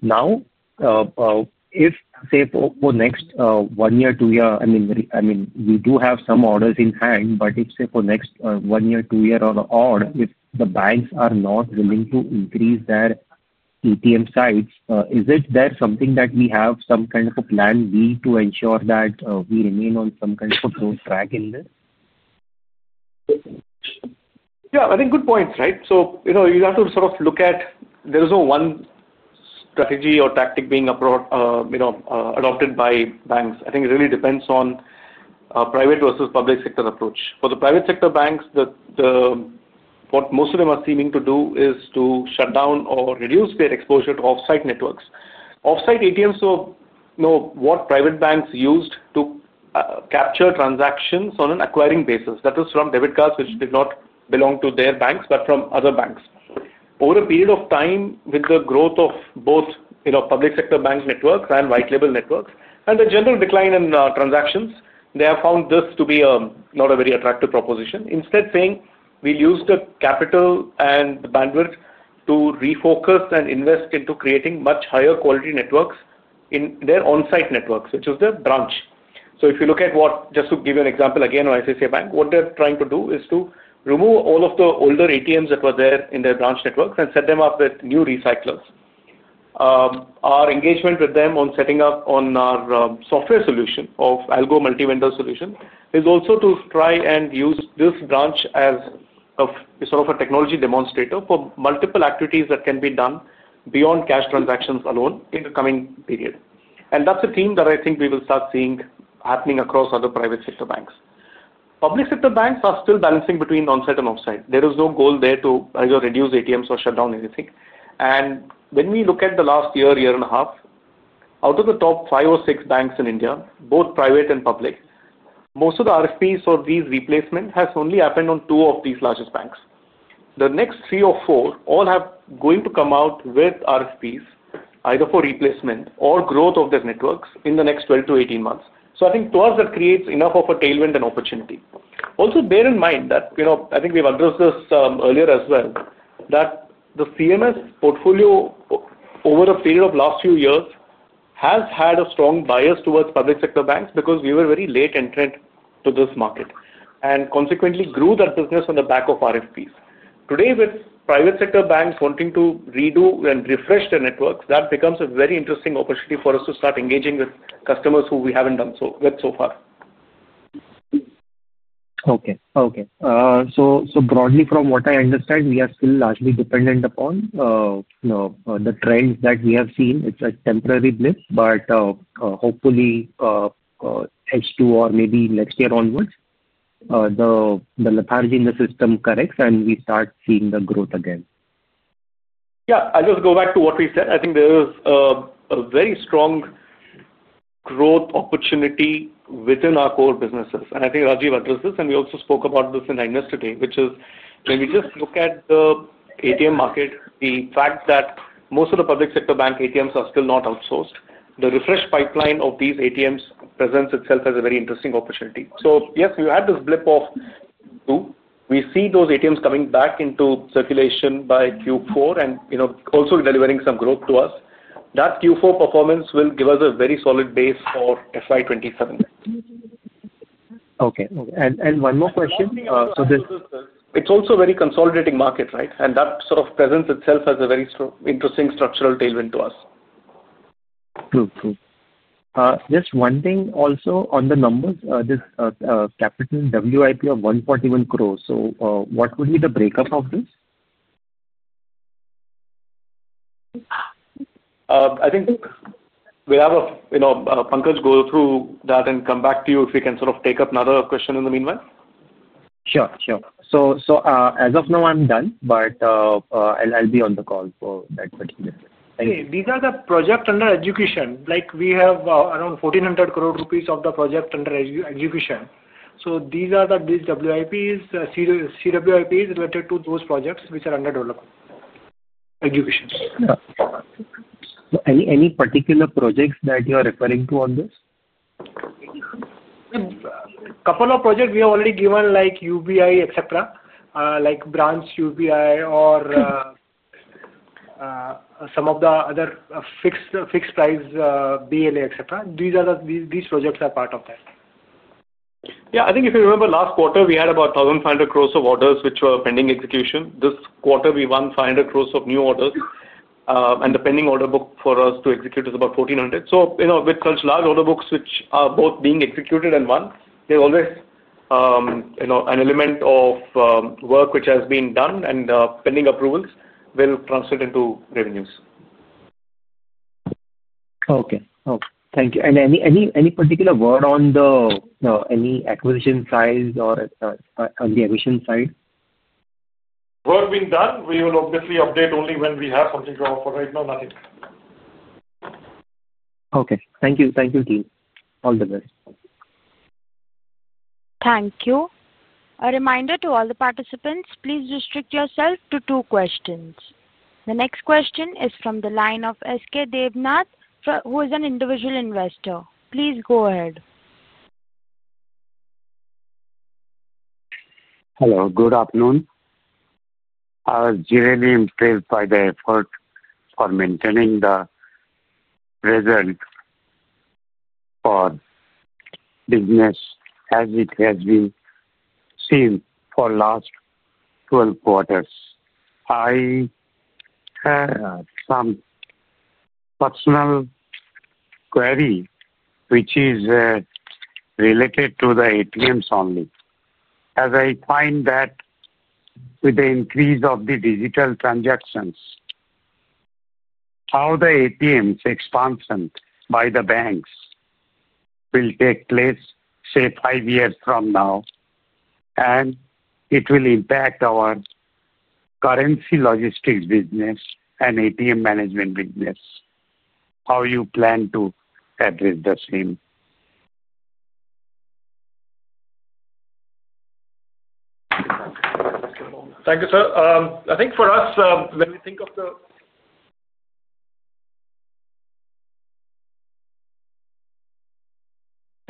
Now, if, say, for next one year, two year, I mean, we do have some orders in hand, but if, say, for next one year, two year on odd, if the banks are not willing to increase their ATM sites, is it there something that we have some kind of a plan B to ensure that we remain on some kind of a growth track in this? Yeah. I think good points, right? You have to sort of look at there is no one strategy or tactic being adopted by banks. I think it really depends on private versus public sector approach. For the private sector banks, what most of them are seeming to do is to shut down or reduce their exposure to offsite networks. Offsite ATMs were what private banks used to capture transactions on an acquiring basis. That was from debit cards which did not belong to their banks but from other banks. Over a period of time, with the growth of both public sector bank networks and white label networks and the general decline in transactions, they have found this to be not a very attractive proposition. Instead, saying, "We'll use the capital and the bandwidth to refocus and invest into creating much higher quality networks in their onsite networks," which is their branch. If you look at what, just to give you an example, again, ICICI Bank, what they're trying to do is to remove all of the older ATMs that were there in their branch networks and set them up with new recyclers. Our engagement with them on setting up on our software solution of Algo Multivendor solution is also to try and use this branch as sort of a technology demonstrator for multiple activities that can be done beyond cash transactions alone in the coming period. That's a theme that I think we will start seeing happening across other private sector banks. Public sector banks are still balancing between onsite and offsite. There is no goal there to either reduce ATMs or shut down anything. When we look at the last year, year and a half, out of the top five or six banks in India, both private and public, most of the RFPs or these replacements have only happened on two of these largest banks. The next three or four all are going to come out with RFPs either for replacement or growth of their networks in the next 12-18 months. I think to us, that creates enough of a tailwind and opportunity. Also, bear in mind that I think we've addressed this earlier as well, that the CMS portfolio over a period of last few years has had a strong bias towards public sector banks because we were very late entrant to this market and consequently grew that business on the back of RFPs. Today, with private sector banks wanting to redo and refresh their networks, that becomes a very interesting opportunity for us to start engaging with customers who we haven't done so with so far. Okay. Okay. So broadly, from what I understand, we are still largely dependent upon the trends that we have seen. It's a temporary blip, but hopefully H2 or maybe next year onwards, the lethargy in the system corrects, and we start seeing the growth again. Yeah. I'll just go back to what we said. I think there is a very strong growth opportunity within our core businesses. I think Rajiv addressed this, and we also spoke about this in Agnes today, which is when we just look at the ATM market, the fact that most of the public sector bank ATMs are still not outsourced, the refresh pipeline of these ATMs presents itself as a very interesting opportunity. Yes, we had this blip of two. We see those ATMs coming back into circulation by Q4 and also delivering some growth to us. That Q4 performance will give us a very solid base for FY2027. Okay. Okay. And one more question. So this. It's also a very consolidating market, right? That sort of presents itself as a very interesting structural tailwind to us. True. True. Just one thing also on the numbers. This capital WIP of 141 crore. So what would be the breakup of this? I think we'll have Pankaj go through that and come back to you if we can sort of take up another question in the meanwhile. Sure. Sure. As of now, I'm done, but I'll be on the call for that particular. Okay. These are the projects under education. We have around 1,400 crore rupees of the project under education. These are the WIPs, CWIPs related to those projects which are under development. Education. Yeah. Any particular projects that you are referring to on this? A couple of projects we have already given, like Union Bank of India, etc., like branch Union Bank of India or some of the other fixed price BLA, etc. These projects are part of that. Yeah. I think if you remember, last quarter, we had about 1,500 crore of orders which were pending execution. This quarter, we won 500 crore of new orders. And the pending order book for us to execute is about 1,400 crore. With such large order books which are both being executed and won, there is always an element of work which has been done and pending approvals will translate into revenues. Okay. Okay. Thank you. Any particular word on the, any acquisition side or on the admission side? Work being done. We will obviously update only when we have something to offer. Right now, nothing. Okay. Thank you. Thank you, team. All the best. Thank you. A reminder to all the participants, please restrict yourself to two questions. The next question is from the line of S.K. Debnath, who is an individual investor. Please go ahead. Hello. Good afternoon. Our GNA improved by the effort for maintaining the present for business as it has been seen for the last 12 quarters. I have some personal query which is related to the ATMs only. As I find that with the increase of the digital transactions, how the ATMs expansion by the banks will take place, say, five years from now. And it will impact our currency logistics business and ATM management business. How you plan to address the same? Thank you, sir. I think for us, when we think of the—sorry.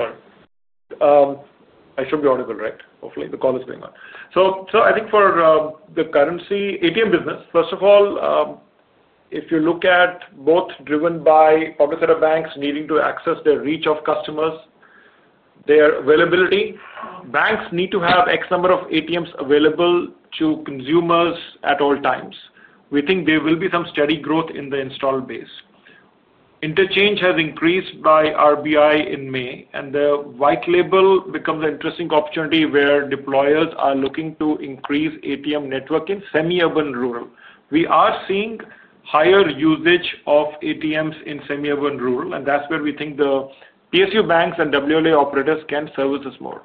I should be audible, right? Hopefully, the call is going on. I think for the currency ATM business, first of all, if you look at both driven by public sector banks needing to access their reach of customers, their availability, banks need to have X number of ATMs available to consumers at all times. We think there will be some steady growth in the installed base. Interchange has increased by RBI in May, and the white label becomes an interesting opportunity where deployers are looking to increase ATM network in semi-urban rural. We are seeing higher usage of ATMs in semi-urban rural, and that's where we think the PSU banks and WLA operators can service us more.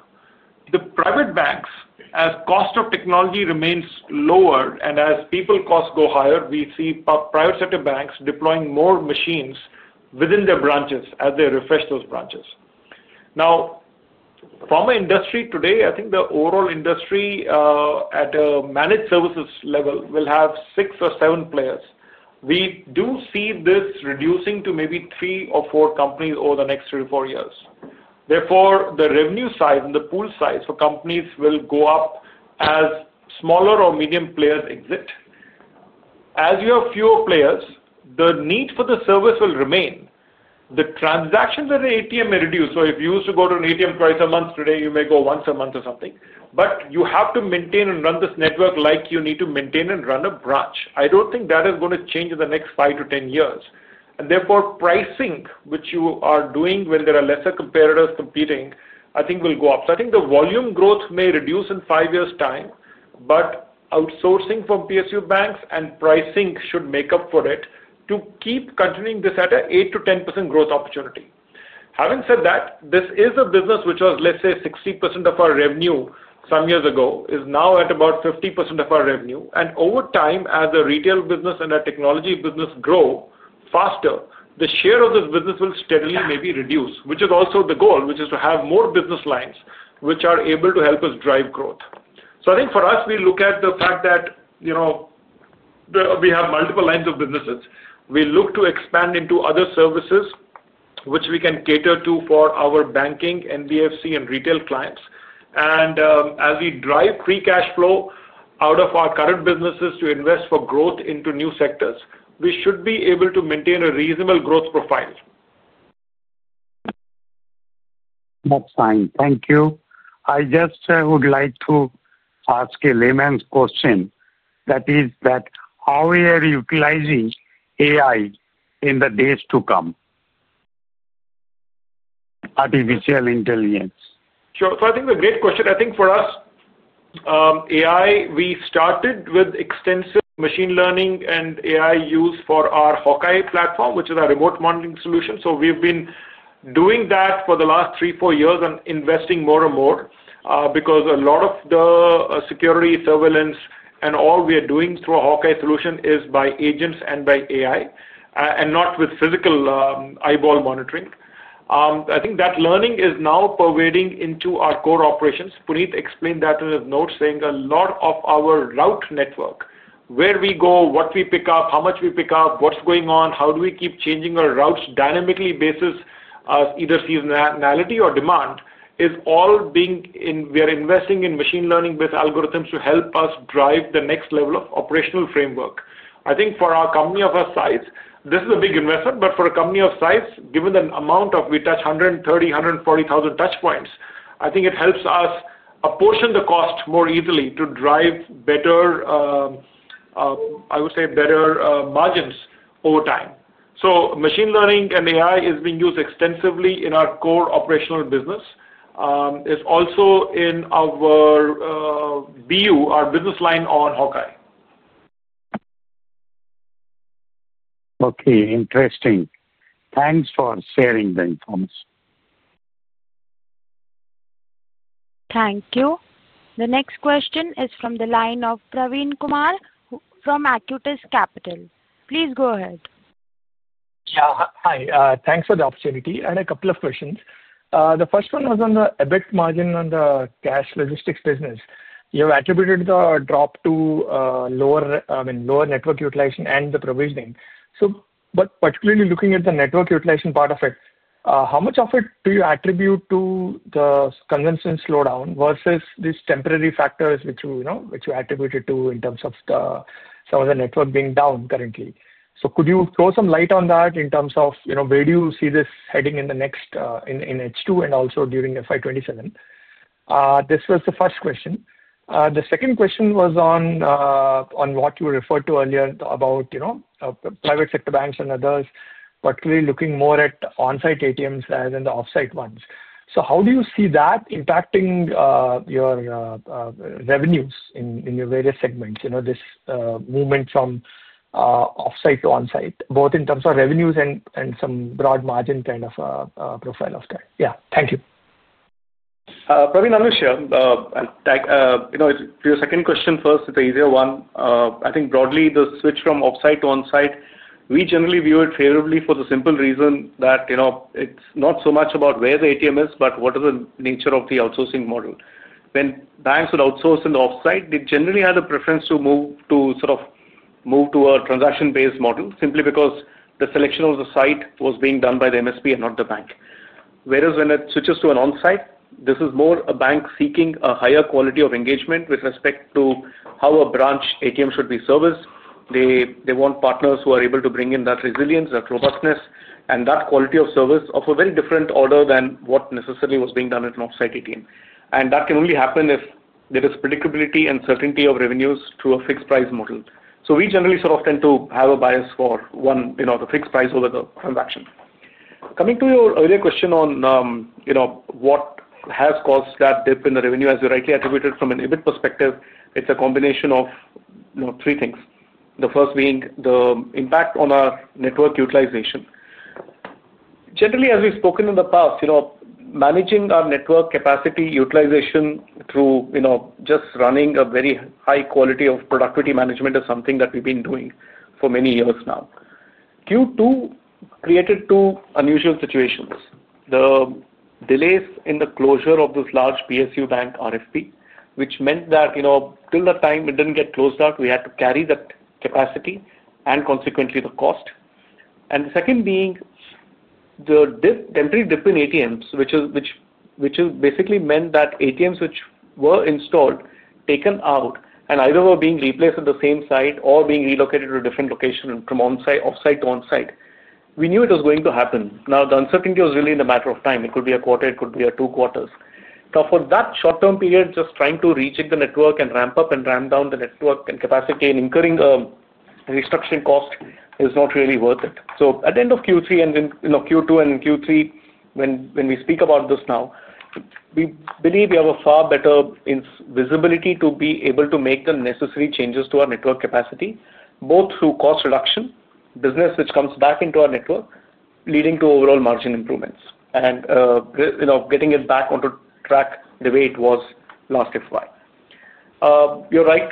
The private banks, as cost of technology remains lower and as people costs go higher, we see private sector banks deploying more machines within their branches as they refresh those branches. Now, from an industry today, I think the overall industry at a managed services level will have six or seven players. We do see this reducing to maybe three or four companies over the next three or four years. Therefore, the revenue size and the pool size for companies will go up as smaller or medium players exit. As you have fewer players, the need for the service will remain. The transactions at the ATM may reduce. If you used to go to an ATM twice a month today, you may go once a month or something. You have to maintain and run this network like you need to maintain and run a branch. I don't think that is going to change in the next five to ten years. Therefore, pricing, which you are doing when there are fewer competitors competing, I think will go up. I think the volume growth may reduce in five years' time, but outsourcing from PSU banks and pricing should make up for it to keep continuing this at an 8%-10% growth opportunity. Having said that, this is a business which was, let's say, 60% of our revenue some years ago, is now at about 50% of our revenue. Over time, as a retail business and a technology business grow faster, the share of this business will steadily maybe reduce, which is also the goal, which is to have more business lines which are able to help us drive growth. I think for us, we look at the fact that. We have multiple lines of businesses. We look to expand into other services which we can cater to for our banking, NBFC, and retail clients. As we drive free cash flow out of our current businesses to invest for growth into new sectors, we should be able to maintain a reasonable growth profile. That's fine. Thank you. I just would like to ask a layman's question. That is, how are we utilizing AI in the days to come? Artificial intelligence. Sure. I think it's a great question. I think for us, AI, we started with extensive machine learning and AI use for our Hawkai platform, which is our remote monitoring solution. We have been doing that for the last three or four years and investing more and more because a lot of the security surveillance and all we are doing through our Hawkai solution is by agents and by AI and not with physical eyeball monitoring. I think that learning is now pervading into our core operations. Puneet explained that in his notes, saying a lot of our route network, where we go, what we pick up, how much we pick up, what's going on, how do we keep changing our routes dynamically basis either seasonality or demand, is all being. We are investing in machine learning with algorithms to help us drive the next level of operational framework. I think for a company of our size, this is a big investment, but for a company of our size, given the amount of—we touch 130,000-140,000 touch points, I think it helps us apportion the cost more easily to drive better, I would say, better margins over time. Machine learning and AI is being used extensively in our core operational business. It's also in our BU, our business line on Hawkai. Okay. Interesting. Thanks for sharing the information. Thank you. The next question is from the line of Praveen Kumar from Acutis Capital. Please go ahead. Yeah. Hi. Thanks for the opportunity and a couple of questions. The first one was on the EBIT margin on the cash logistics business. You've attributed the drop to lower, I mean, lower network utilization and the provisioning. Particularly looking at the network utilization part of it, how much of it do you attribute to the convention slowdown versus these temporary factors which you attributed to in terms of some of the network being down currently? Could you throw some light on that in terms of where do you see this heading in the next in H2 and also during FY2027? This was the first question. The second question was on what you referred to earlier about private sector banks and others, particularly looking more at on-site ATMs rather than the off-site ones. How do you see that impacting your. Revenues in your various segments, this movement from off-site to on-site, both in terms of revenues and some broad margin kind of profile of that? Yeah. Thank you. Praveen, Anush, yeah. To your second question first, it's an easier one. I think broadly, the switch from off-site to on-site, we generally view it favorably for the simple reason that it's not so much about where the ATM is, but what is the nature of the outsourcing model. When banks would outsource in the off-site, they generally had a preference to move to sort of move to a transaction-based model simply because the selection of the site was being done by the MSP and not the bank. Whereas when it switches to an on-site, this is more a bank seeking a higher quality of engagement with respect to how a branch ATM should be serviced. They want partners who are able to bring in that resilience, that robustness, and that quality of service of a very different order than what necessarily was being done at an off-site ATM. That can only happen if there is predictability and certainty of revenues through a fixed price model. We generally sort of tend to have a bias for, one, the fixed price over the transaction. Coming to your earlier question on what has caused that dip in the revenue, as you rightly attributed from an EBIT perspective, it's a combination of three things. The first being the impact on our network utilization. Generally, as we've spoken in the past, managing our network capacity utilization through just running a very high quality of productivity management is something that we've been doing for many years now. Q2 created two unusual situations. The delays in the closure of this large PSU bank RFP, which meant that till that time, it didn't get closed out, we had to carry that capacity and consequently the cost. The second being. The temporary dip in ATMs, which basically meant that ATMs which were installed, taken out, and either were being replaced at the same site or being relocated to a different location from off-site to on-site, we knew it was going to happen. Now, the uncertainty was really in the matter of time. It could be a quarter. It could be two quarters. Now, for that short-term period, just trying to reach the network and ramp up and ramp down the network and capacity and incurring restructuring cost is not really worth it. At the end of Q3 and Q2 and Q3, when we speak about this now, we believe we have a far better visibility to be able to make the necessary changes to our network capacity, both through cost reduction, business which comes back into our network, leading to overall margin improvements, and. Getting it back onto track the way it was last FY. You're right.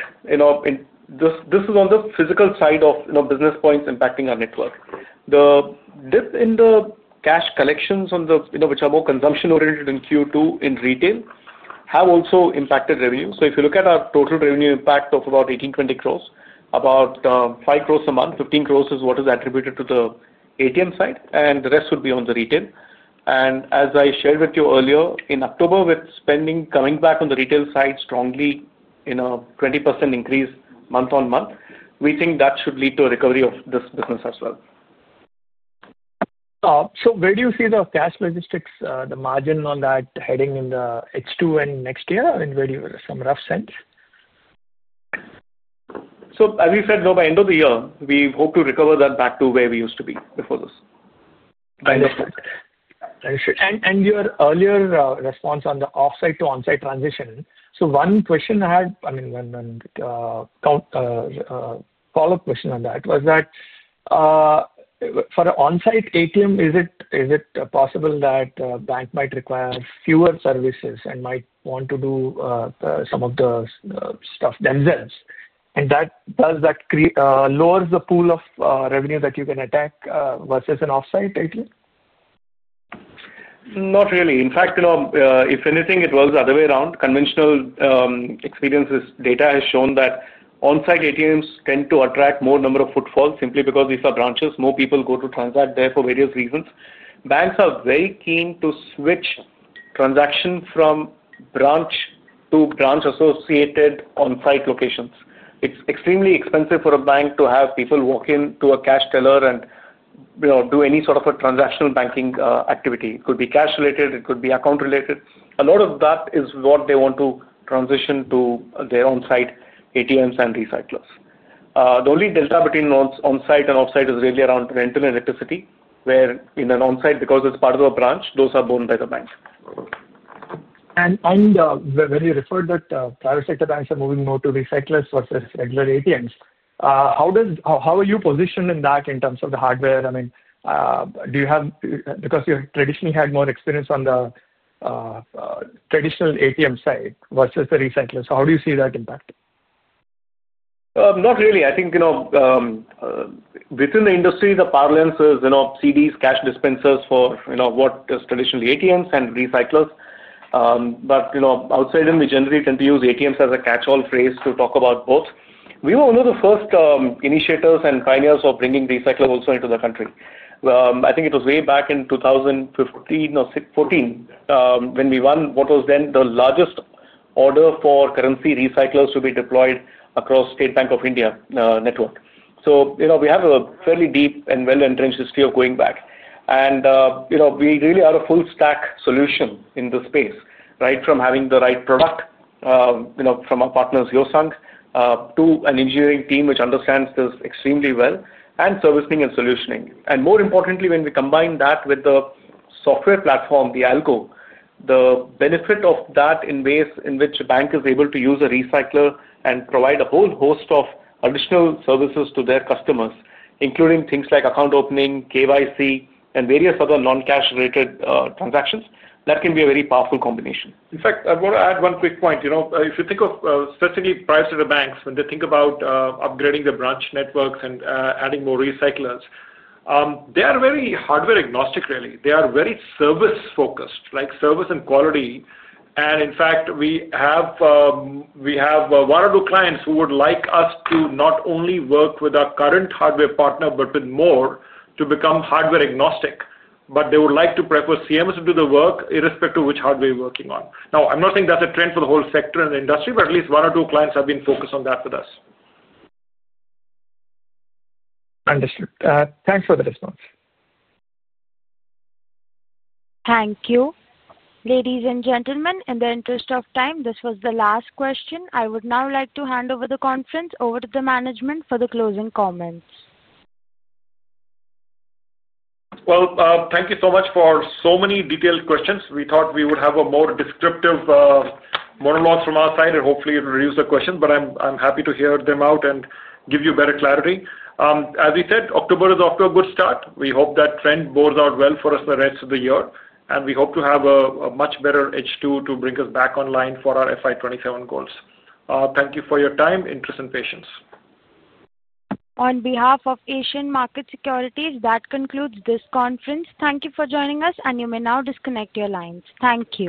This is on the physical side of business points impacting our network. The dip in the cash collections on the which are more consumption-oriented in Q2 in retail have also impacted revenue. If you look at our total revenue impact of about 18-20 crore, about 5 crore a month, 15 crore is what is attributed to the ATM side, and the rest would be on the retail. As I shared with you earlier, in October, with spending coming back on the retail side strongly in a 20% increase month on month, we think that should lead to a recovery of this business as well. Where do you see the cash logistics, the margin on that heading in the H2 and next year? I mean, some rough sense? As we said, by the end of the year, we hope to recover that back to where we used to be before this. Understood. Understood. Your earlier response on the off-site to on-site transition, one question I had, I mean, a follow-up question on that was that for an on-site ATM, is it possible that a bank might require fewer services and might want to do some of the stuff themselves? Does that lower the pool of revenue that you can attack versus an off-site ATM? Not really. In fact, if anything, it works the other way around. Conventional experiences, data has shown that on-site ATMs tend to attract more number of footfalls simply because these are branches. More people go to transact there for various reasons. Banks are very keen to switch transactions from branch to branch-associated on-site locations. It is extremely expensive for a bank to have people walk into a cash teller and do any sort of a transactional banking activity. It could be cash-related. It could be account-related. A lot of that is what they want to transition to their on-site ATMs and recyclers. The only delta between on-site and off-site is really around rental and electricity, where in an on-site, because it is part of a branch, those are borne by the bank. When you referred that private sector banks are moving more to recyclers versus regular ATMs, how are you positioned in that in terms of the hardware? I mean, do you have, because you have traditionally had more experience on the traditional ATM side versus the recyclers, how do you see that impact? Not really. I think within the industry, the parlance is CDs, cash dispensers for what is traditionally ATMs and recyclers. Outside them, we generally tend to use ATMs as a catch-all phrase to talk about both. We were one of the first initiators and pioneers of bringing recyclers also into the country. I think it was way back in 2015 or 2014 when we won what was then the largest order for currency recyclers to be deployed across State Bank of India network. We have a fairly deep and well-entertained history of going back. We really are a full-stack solution in the space, right from having the right product from our partners, Hyosung, to an engineering team which understands this extremely well and servicing and solutioning. More importantly, when we combine that with the software platform, the Algo, the benefit of that in ways in which a bank is able to use a recycler and provide a whole host of additional services to their customers, including things like account opening, KYC, and various other non-cash-related transactions, that can be a very powerful combination. In fact, I want to add one quick point. If you think of specifically private sector banks, when they think about upgrading their branch networks and adding more recyclers, they are very hardware agnostic, really. They are very service-focused, like service and quality. In fact, we have one or two clients who would like us to not only work with our current hardware partner, but with more to become hardware agnostic, but they would like to prefer CMS to do the work irrespective of which hardware you're working on. Now, I'm not saying that's a trend for the whole sector and the industry, but at least one or two clients have been focused on that with us. Understood. Thanks for the response. Thank you. Ladies and gentlemen, in the interest of time, this was the last question. I would now like to hand over the conference over to the management for the closing comments. Thank you so much for so many detailed questions. We thought we would have a more descriptive monologue from our side, and hopefully, it will reduce the questions, but I'm happy to hear them out and give you better clarity. As we said, October is off to a good start. We hope that trend bores out well for us the rest of the year, and we hope to have a much better H2 to bring us back online for our FY2027 goals. Thank you for your time, interest, and patience. On behalf of Asian Markets Securities, that concludes this conference. Thank you for joining us, and you may now disconnect your lines. Thank you.